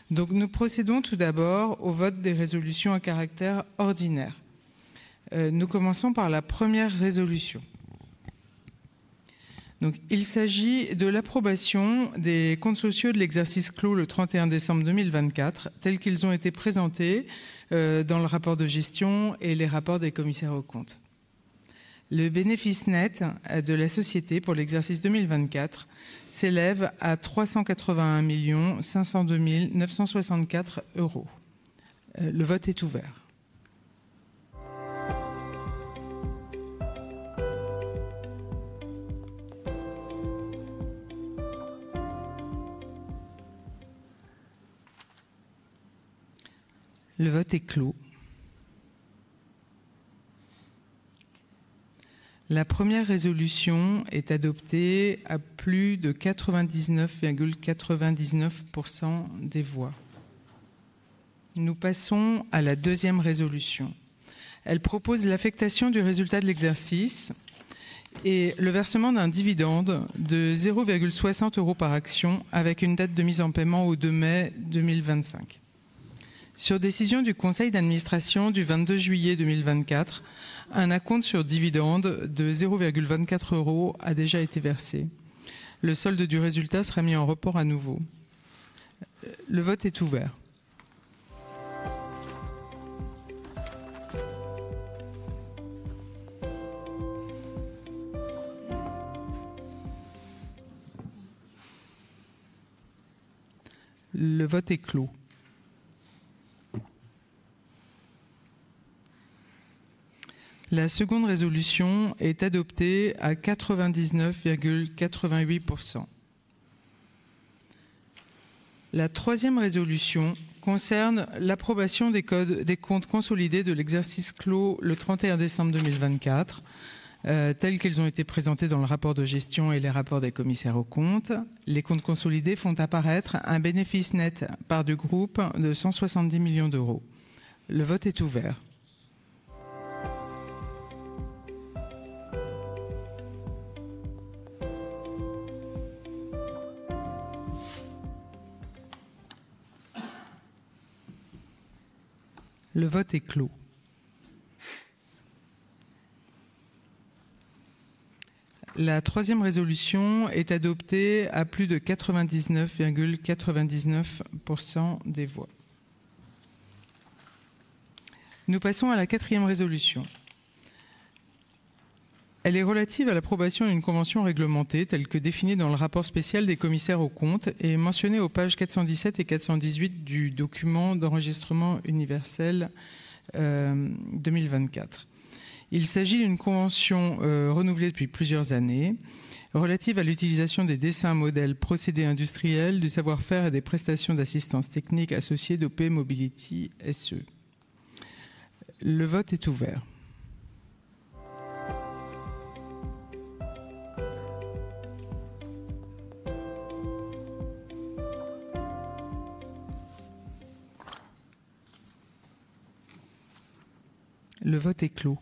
Nous procédons tout d'abord au vote des résolutions à caractère ordinaire. Nous commençons par la première résolution. Il s'agit de l'approbation des comptes sociaux de l'exercice clos le 31 décembre 2024, tels qu'ils ont été présentés dans le rapport de gestion et les rapports des commissaires aux comptes. Le bénéfice net de la société pour l'exercice 2024 s'élève à 381 502 964 €. Le vote est ouvert. Le vote est clos. La première résolution est adoptée à plus de 99,99 % des voix. Nous passons à la deuxième résolution. Elle propose l'affectation du résultat de l'exercice et le versement d'un dividende de 0,60 € par action avec une date de mise en paiement au 2 mai 2025. Sur décision du conseil d'administration du 22 juillet 2024, un acompte sur dividende de 0,24 € a déjà été versé. Le solde du résultat sera mis en report à nouveau. Le vote est ouvert. Le vote est clos. La seconde résolution est adoptée à 99,88 %. La troisième résolution concerne l'approbation des comptes consolidés de l'exercice clos le 31 décembre 2024, tels qu'ils ont été présentés dans le rapport de gestion et les rapports des commissaires aux comptes. Les comptes consolidés font apparaître un bénéfice net par deux groupes de 170 millions d'euros. Le vote est ouvert. Le vote est clos. La troisième résolution est adoptée à plus de 99,99 % des voix. Nous passons à la quatrième résolution. Elle est relative à l'approbation d'une convention réglementée telle que définie dans le rapport spécial des commissaires aux comptes et mentionnée aux pages 417 et 418 du document d'enregistrement universel 2024. Il s'agit d'une convention renouvelée depuis plusieurs années relative à l'utilisation des dessins, modèles, procédés industriels du savoir-faire et des prestations d'assistance technique associées d'OP Mobility SE. Le vote est ouvert. Le vote est clos.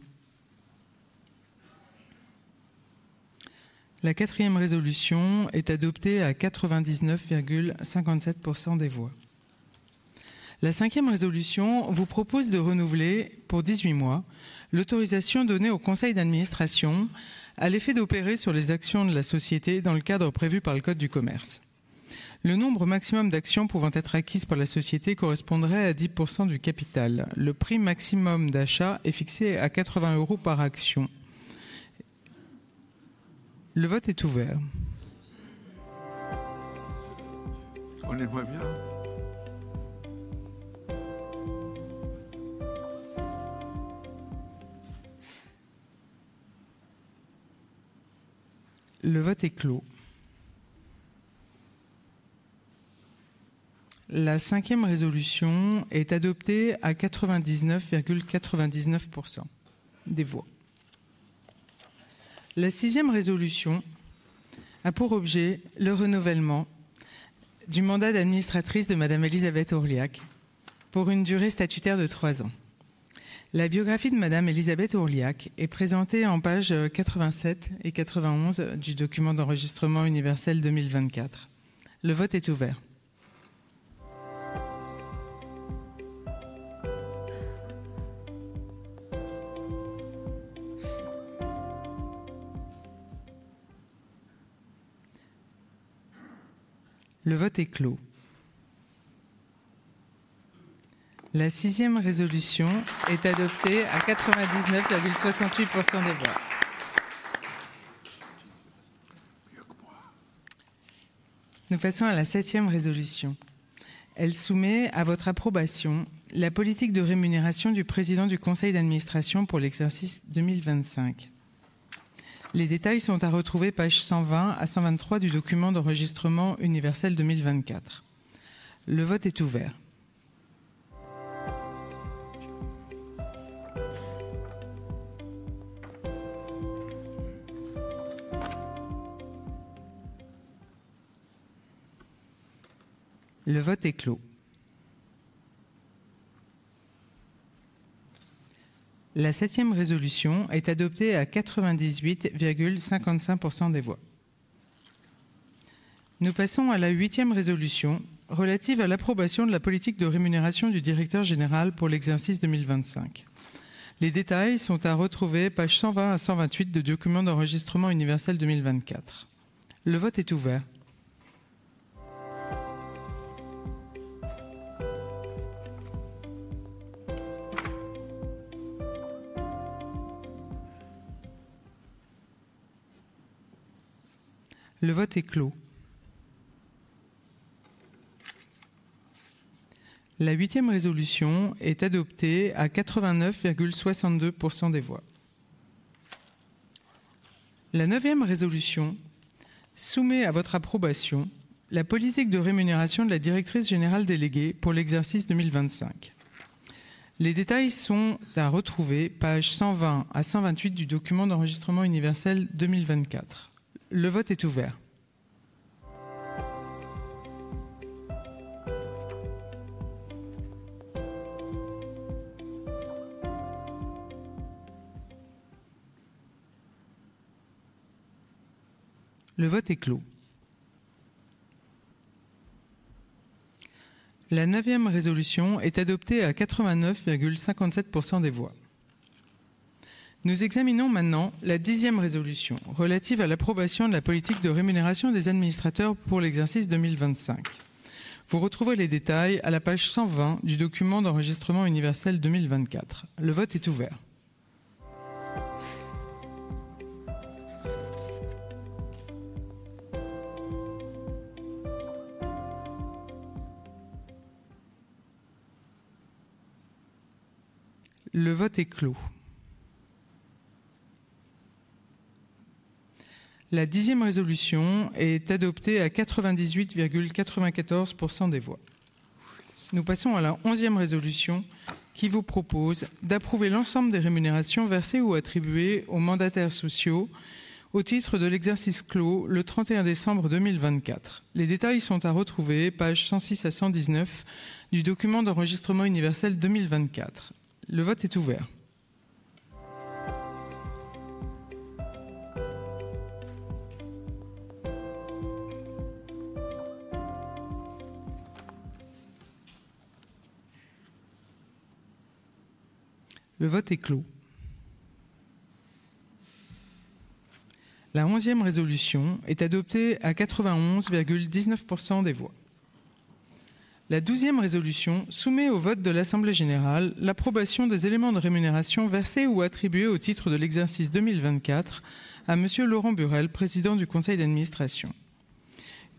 La quatrième résolution est adoptée à 99,57% des voix. La cinquième résolution vous propose de renouveler pour 18 mois l'autorisation donnée au conseil d'administration à l'effet d'opérer sur les actions de la société dans le cadre prévu par le code du commerce. Le nombre maximum d'actions pouvant être acquises par la société correspondrait à 10% du capital. Le prix maximum d'achat est fixé à €80 par action. Le vote est ouvert. Le vote est clos. La cinquième résolution est adoptée à 99,99% des voix. La sixième résolution a pour objet le renouvellement du mandat d'administratrice de Madame Élisabeth Ourliac pour une durée statutaire de trois ans. La biographie de Madame Élisabeth Ourliac est présentée en page 87 et 91 du document d'enregistrement universel 2024. Le vote est ouvert. Le vote est clos. La sixième résolution est adoptée à 99,68% des voix. Nous passons à la septième résolution. Elle soumet à votre approbation la politique de rémunération du Président du Conseil d'Administration pour l'exercice 2025. Les détails sont à retrouver page 120 à 123 du document d'enregistrement universel 2024. Le vote est ouvert. Le vote est clos. La septième résolution est adoptée à 98,55% des voix. Nous passons à la huitième résolution relative à l'approbation de la politique de rémunération du Directeur Général pour l'exercice 2025. Les détails sont à retrouver page 120 à 128 du document d'enregistrement universel 2024. Le vote est ouvert. Le vote est clos. La huitième résolution est adoptée à 89,62% des voix. La neuvième résolution soumet à votre approbation la politique de rémunération de la directrice générale déléguée pour l'exercice 2025. Les détails sont à retrouver page 120 à 128 du document d'enregistrement universel 2024. Le vote est ouvert. Le vote est clos. La neuvième résolution est adoptée à 89,57% des voix. Nous examinons maintenant la dixième résolution relative à l'approbation de la politique de rémunération des administrateurs pour l'exercice 2025. Vous retrouvez les détails à la page 120 du document d'enregistrement universel 2024. Le vote est ouvert. Le vote est clos. La dixième résolution est adoptée à 98,94% des voix. Nous passons à la onzième résolution qui vous propose d'approuver l'ensemble des rémunérations versées ou attribuées aux mandataires sociaux au titre de l'exercice clos le 31 décembre 2024. Les détails sont à retrouver page 106 à 119 du document d'enregistrement universel 2024. Le vote est ouvert. Le vote est clos. La onzième résolution est adoptée à 91,19% des voix. La douzième résolution soumet au vote de l'assemblée générale l'approbation des éléments de rémunération versés ou attribués au titre de l'exercice 2024 à Monsieur Laurent Burelle, Président du Conseil d'Administration.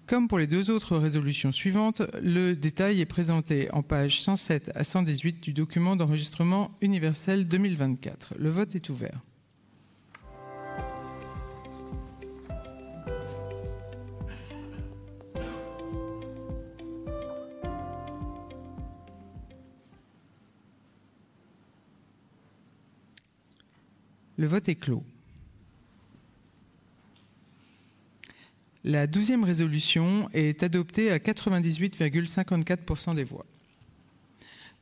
Comme pour les deux autres résolutions suivantes, le détail est présenté en page 107 à 118 du document d'enregistrement universel 2024. Le vote est ouvert. Le vote est clos. La douzième résolution est adoptée à 98,54% des voix.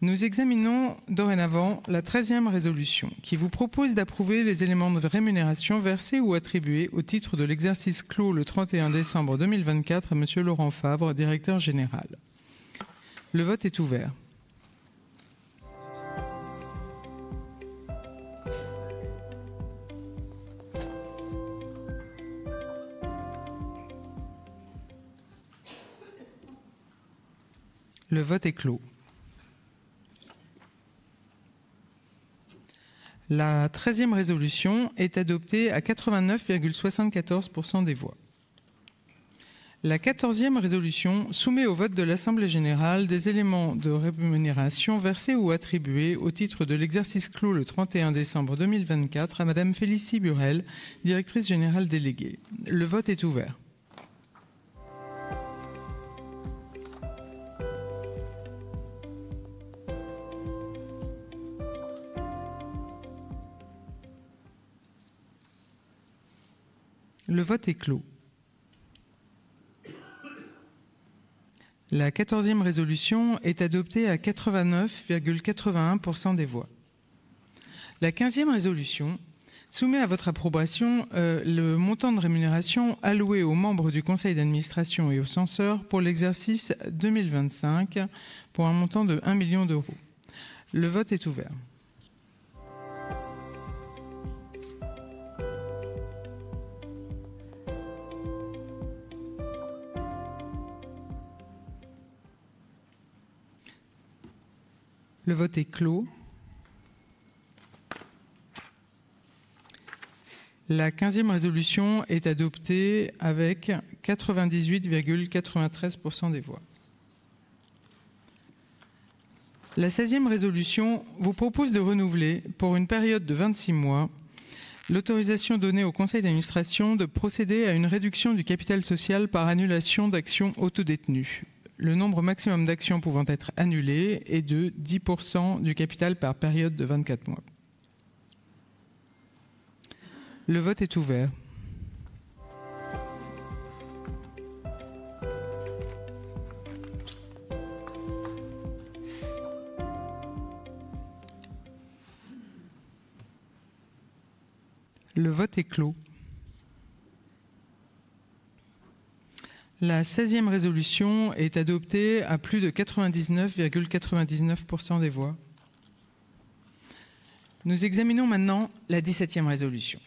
Nous examinons dorénavant la treizième résolution qui vous propose d'approuver les éléments de rémunération versés ou attribués au titre de l'exercice clos le 31 décembre 2024 à Monsieur Laurent Favre, Directeur Général. Le vote est ouvert. Le vote est clos. La treizième résolution est adoptée à 89,74% des voix. La quatorzième résolution soumet au vote de l'assemblée générale des éléments de rémunération versés ou attribués au titre de l'exercice clos le 31 décembre 2024 à Madame Félicie Burelle, Directrice Générale Déléguée. Le vote est ouvert. Le vote est clos. La quatorzième résolution est adoptée à 89,81% des voix. La quinzième résolution soumet à votre approbation le montant de rémunération alloué aux membres du conseil d'administration et aux censeurs pour l'exercice 2025 pour un montant de 1 million d'euros. Le vote est ouvert. Le vote est clos. La quinzième résolution est adoptée avec 98,93% des voix. La seizième résolution vous propose de renouveler pour une période de 26 mois l'autorisation donnée au conseil d'administration de procéder à une réduction du capital social par annulation d'actions autodétenues. Le nombre maximum d'actions pouvant être annulées est de 10% du capital par période de 24 mois. Le vote est ouvert. Le vote est clos. La seizième résolution est adoptée à plus de 99,99% des voix. Nous examinons maintenant la dix-septième résolution.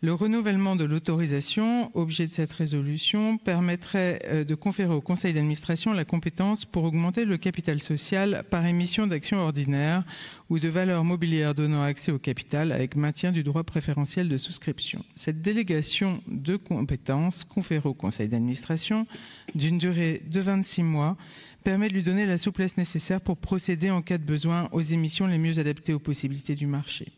Le renouvellement de l'autorisation objet de cette résolution permettrait de conférer au conseil d'administration la compétence pour augmenter le capital social par émission d'actions ordinaires ou de valeurs mobilières donnant accès au capital avec maintien du droit préférentiel de souscription. Cette délégation de compétence conférée au conseil d'administration d'une durée de 26 mois permet de lui donner la souplesse nécessaire pour procéder en cas de besoin aux émissions les mieux adaptées aux possibilités du marché.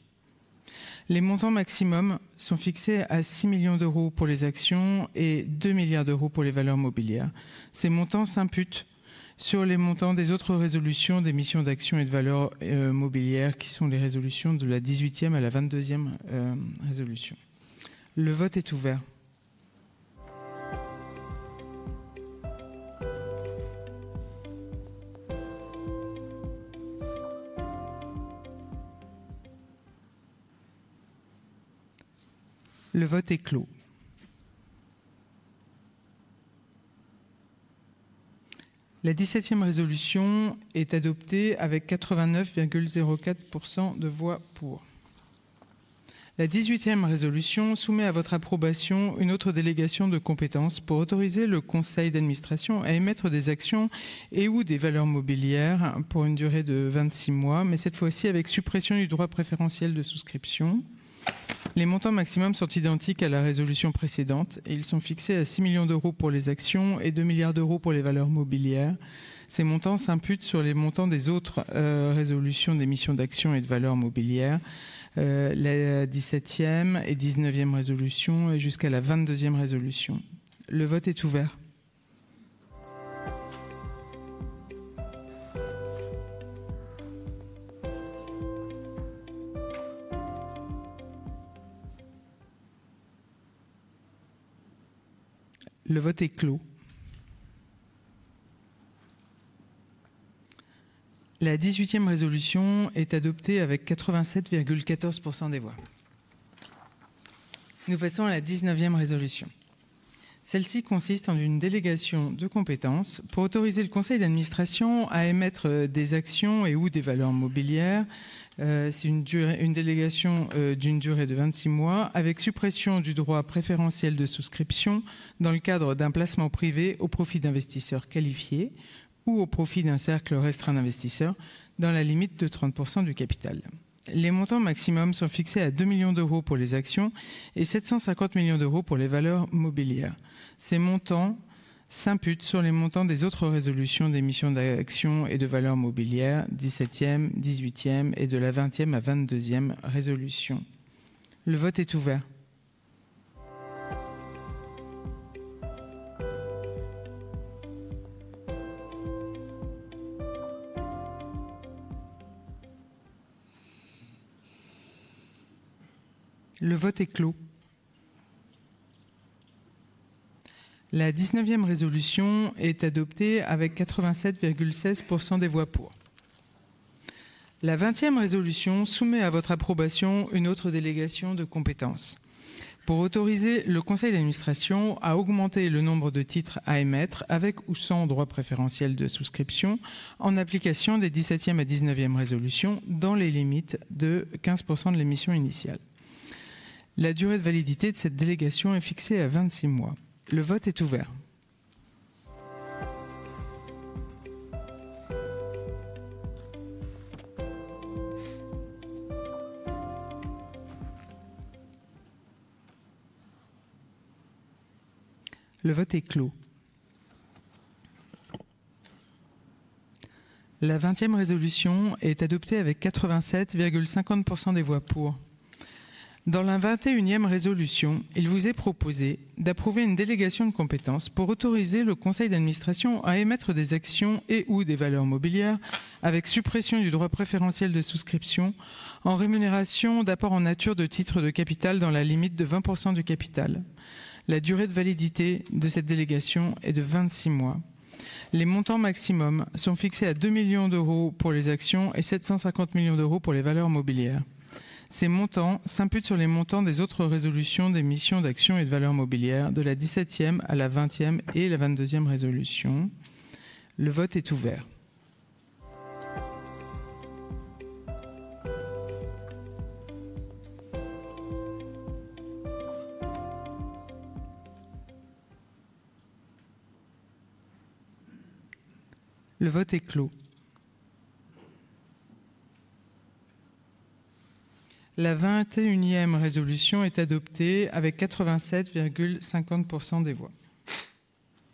Les montants maximums sont fixés à €6 millions pour les actions et €2 milliards pour les valeurs mobilières. Ces montants s'imputent sur les montants des autres résolutions d'émission d'actions et de valeurs mobilières qui sont les résolutions de la dix-huitième à la vingt-deuxième résolution. Le vote est ouvert. Le vote est clos. La dix-septième résolution est adoptée avec 89,04% de voix pour. La dix-huitième résolution soumet à votre approbation une autre délégation de compétence pour autoriser le conseil d'administration à émettre des actions et/ou des valeurs mobilières pour une durée de 26 mois, mais cette fois-ci avec suppression du droit préférentiel de souscription. Les montants maximums sont identiques à la résolution précédente et ils sont fixés à €6 millions pour les actions et €2 milliards pour les valeurs mobilières. Ces montants s'imputent sur les montants des autres résolutions d'émission d'actions et de valeurs mobilières, la dix-septième et dix-neuvième résolutions et jusqu'à la vingt-deuxième résolution. Le vote est ouvert. Le vote est clos. La dix-huitième résolution est adoptée avec 87,14% des voix. Nous passons à la dix-neuvième résolution. Celle-ci consiste en une délégation de compétence pour autoriser le conseil d'administration à émettre des actions et/ou des valeurs mobilières. C'est une délégation d'une durée de 26 mois avec suppression du droit préférentiel de souscription dans le cadre d'un placement privé au profit d'investisseurs qualifiés ou au profit d'un cercle restreint d'investisseurs dans la limite de 30% du capital. Les montants maximums sont fixés à 2 millions d'euros pour les actions et 750 millions d'euros pour les valeurs mobilières. Ces montants s'imputent sur les montants des autres résolutions d'émission d'actions et de valeurs mobilières, dix-septième, dix-huitième et de la vingtième à vingt-deuxième résolution. Le vote est ouvert. Le vote est clos. La dix-neuvième résolution est adoptée avec 87,16% des voix pour. La vingtième résolution soumet à votre approbation une autre délégation de compétence pour autoriser le conseil d'administration à augmenter le nombre de titres à émettre avec ou sans droit préférentiel de souscription en application des dix-septième à dix-neuvième résolutions dans les limites de 15% de l'émission initiale. La durée de validité de cette délégation est fixée à 26 mois. Le vote est ouvert. Le vote est clos. La vingtième résolution est adoptée avec 87,50% des voix pour. Dans la vingt-et-unième résolution, il vous est proposé d'approuver une délégation de compétence pour autoriser le conseil d'administration à émettre des actions et/ou des valeurs mobilières avec suppression du droit préférentiel de souscription en rémunération d'apport en nature de titres de capital dans la limite de 20% du capital. La durée de validité de cette délégation est de 26 mois. Les montants maximums sont fixés à 2 millions d'euros pour les actions et 750 millions d'euros pour les valeurs mobilières. Ces montants s'imputent sur les montants des autres résolutions d'émission d'actions et de valeurs mobilières de la dix-septième à la vingtième et la vingt-deuxième résolution. Le vote est ouvert. Le vote est clos. La vingt-et-unième résolution est adoptée avec 87,50% des voix.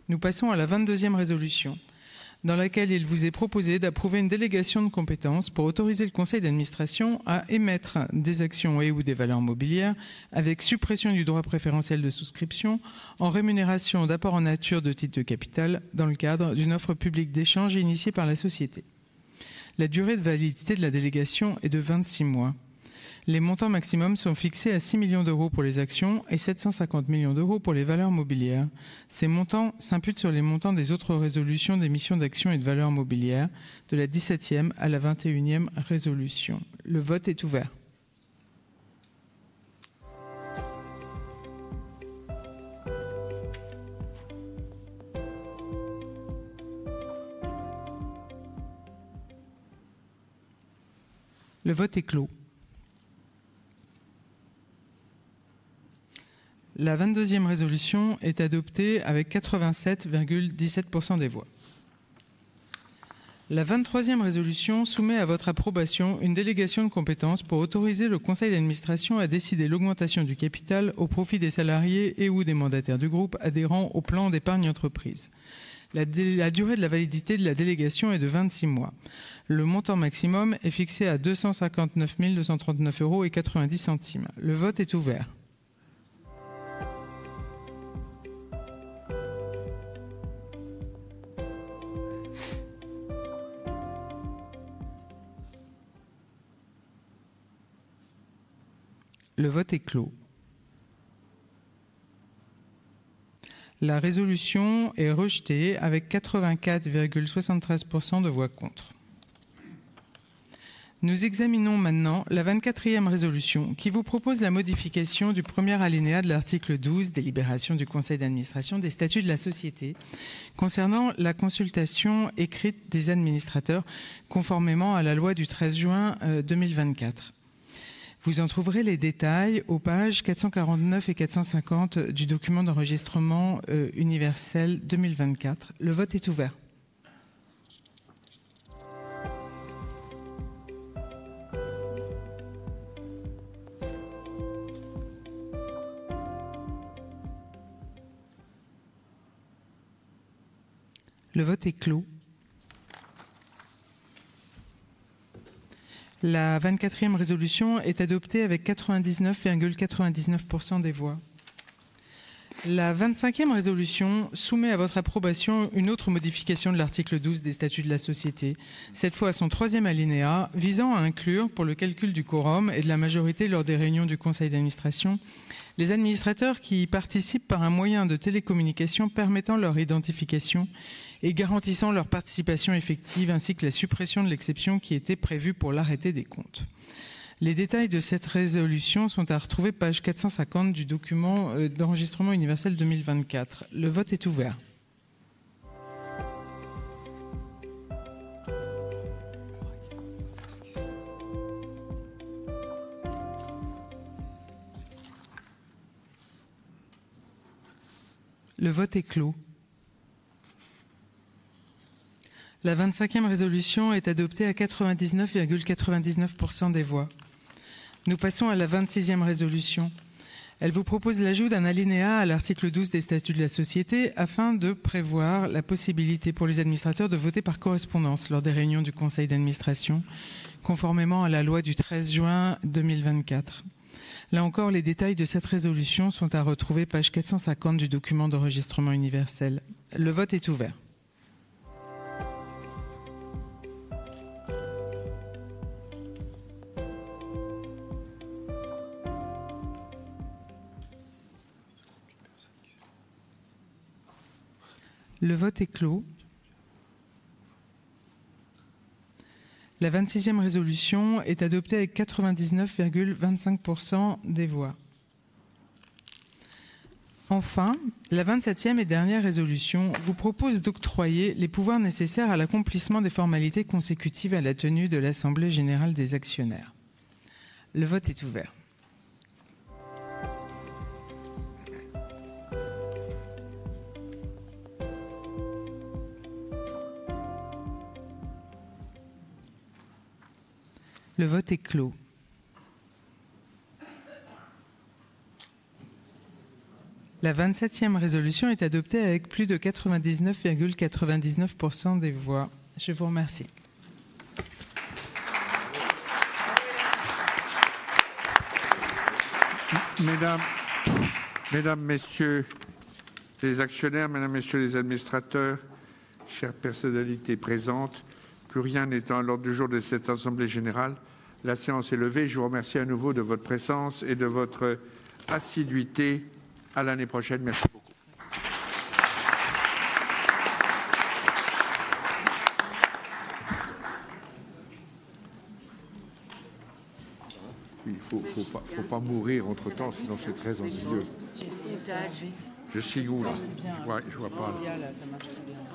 Nous passons à la vingt-deuxième résolution dans laquelle il vous est proposé d'approuver une délégation de compétence pour autoriser le conseil d'administration à émettre des actions et/ou des valeurs mobilières avec suppression du droit préférentiel de souscription en rémunération d'apport en nature de titres de capital dans le cadre d'une offre publique d'échange initiée par la société. La durée de validité de la délégation est de 26 mois. Les montants maximums sont fixés à 6 millions d'euros pour les actions et 750 millions d'euros pour les valeurs mobilières. Ces montants s'imputent sur les montants des autres résolutions d'émission d'actions et de valeurs mobilières de la dix-septième à la vingt-et-unième résolution. Le vote est ouvert. Le vote est clos. La vingt-deuxième résolution est adoptée avec 87,17% des voix. La vingt-troisième résolution soumet à votre approbation une délégation de compétence pour autoriser le conseil d'administration à décider l'augmentation du capital au profit des salariés et/ou des mandataires du groupe adhérent au plan d'épargne entreprise. La durée de la validité de la délégation est de 26 mois. Le montant maximum est fixé à €259 239,90. Le vote est ouvert. Le vote est clos. La résolution est rejetée avec 84,73% de voix contre. Nous examinons maintenant la vingt-quatrième résolution qui vous propose la modification du premier alinéa de l'article 12 délibération du conseil d'administration des statuts de la société concernant la consultation écrite des administrateurs conformément à la loi du 13 juin 2024. Vous en trouverez les détails aux pages 449 et 450 du document d'enregistrement universel 2024. Le vote est ouvert. Le vote est clos. La vingt-quatrième résolution est adoptée avec 99,99% des voix. La vingt-cinquième résolution soumet à votre approbation une autre modification de l'article 12 des statuts de la société, cette fois à son troisième alinéa visant à inclure pour le calcul du quorum et de la majorité lors des réunions du conseil d'administration les administrateurs qui y participent par un moyen de télécommunication permettant leur identification et garantissant leur participation effective ainsi que la suppression de l'exception qui était prévue pour l'arrêté des comptes. Les détails de cette résolution sont à retrouver page 450 du document d'enregistrement universel 2024. Le vote est ouvert. Le vote est clos. La vingt-cinquième résolution est adoptée à 99,99% des voix. Nous passons à la vingt-sixième résolution. Elle vous propose l'ajout d'un alinéa à l'article 12 des statuts de la société afin de prévoir la possibilité pour les administrateurs de voter par correspondance lors des réunions du conseil d'administration conformément à la loi du 13 juin 2024. Là encore, les détails de cette résolution sont à retrouver page 450 du document d'enregistrement universel. Le vote est ouvert. Le vote est clos. La vingt-sixième résolution est adoptée avec 99,25% des voix. Enfin, la vingt-septième et dernière résolution vous propose d'octroyer les pouvoirs nécessaires à l'accomplissement des formalités consécutives à la tenue de l'assemblée générale des actionnaires. Le vote est ouvert. Le vote est clos. La vingt-septième résolution est adoptée avec plus de 99,99% des voix. Je vous remercie. Mesdames, messieurs les actionnaires, mesdames, messieurs les administrateurs, chères personnalités présentes, plus rien n'étant à l'ordre du jour de cette assemblée générale, la séance est levée. Je vous remercie à nouveau de votre présence et de votre assiduité à l'année prochaine. Merci beaucoup. Il ne faut pas mourir entre-temps, sinon c'est très ennuyeux. Je suis où là? Ouais, je ne vois pas. Là, ça marche très bien.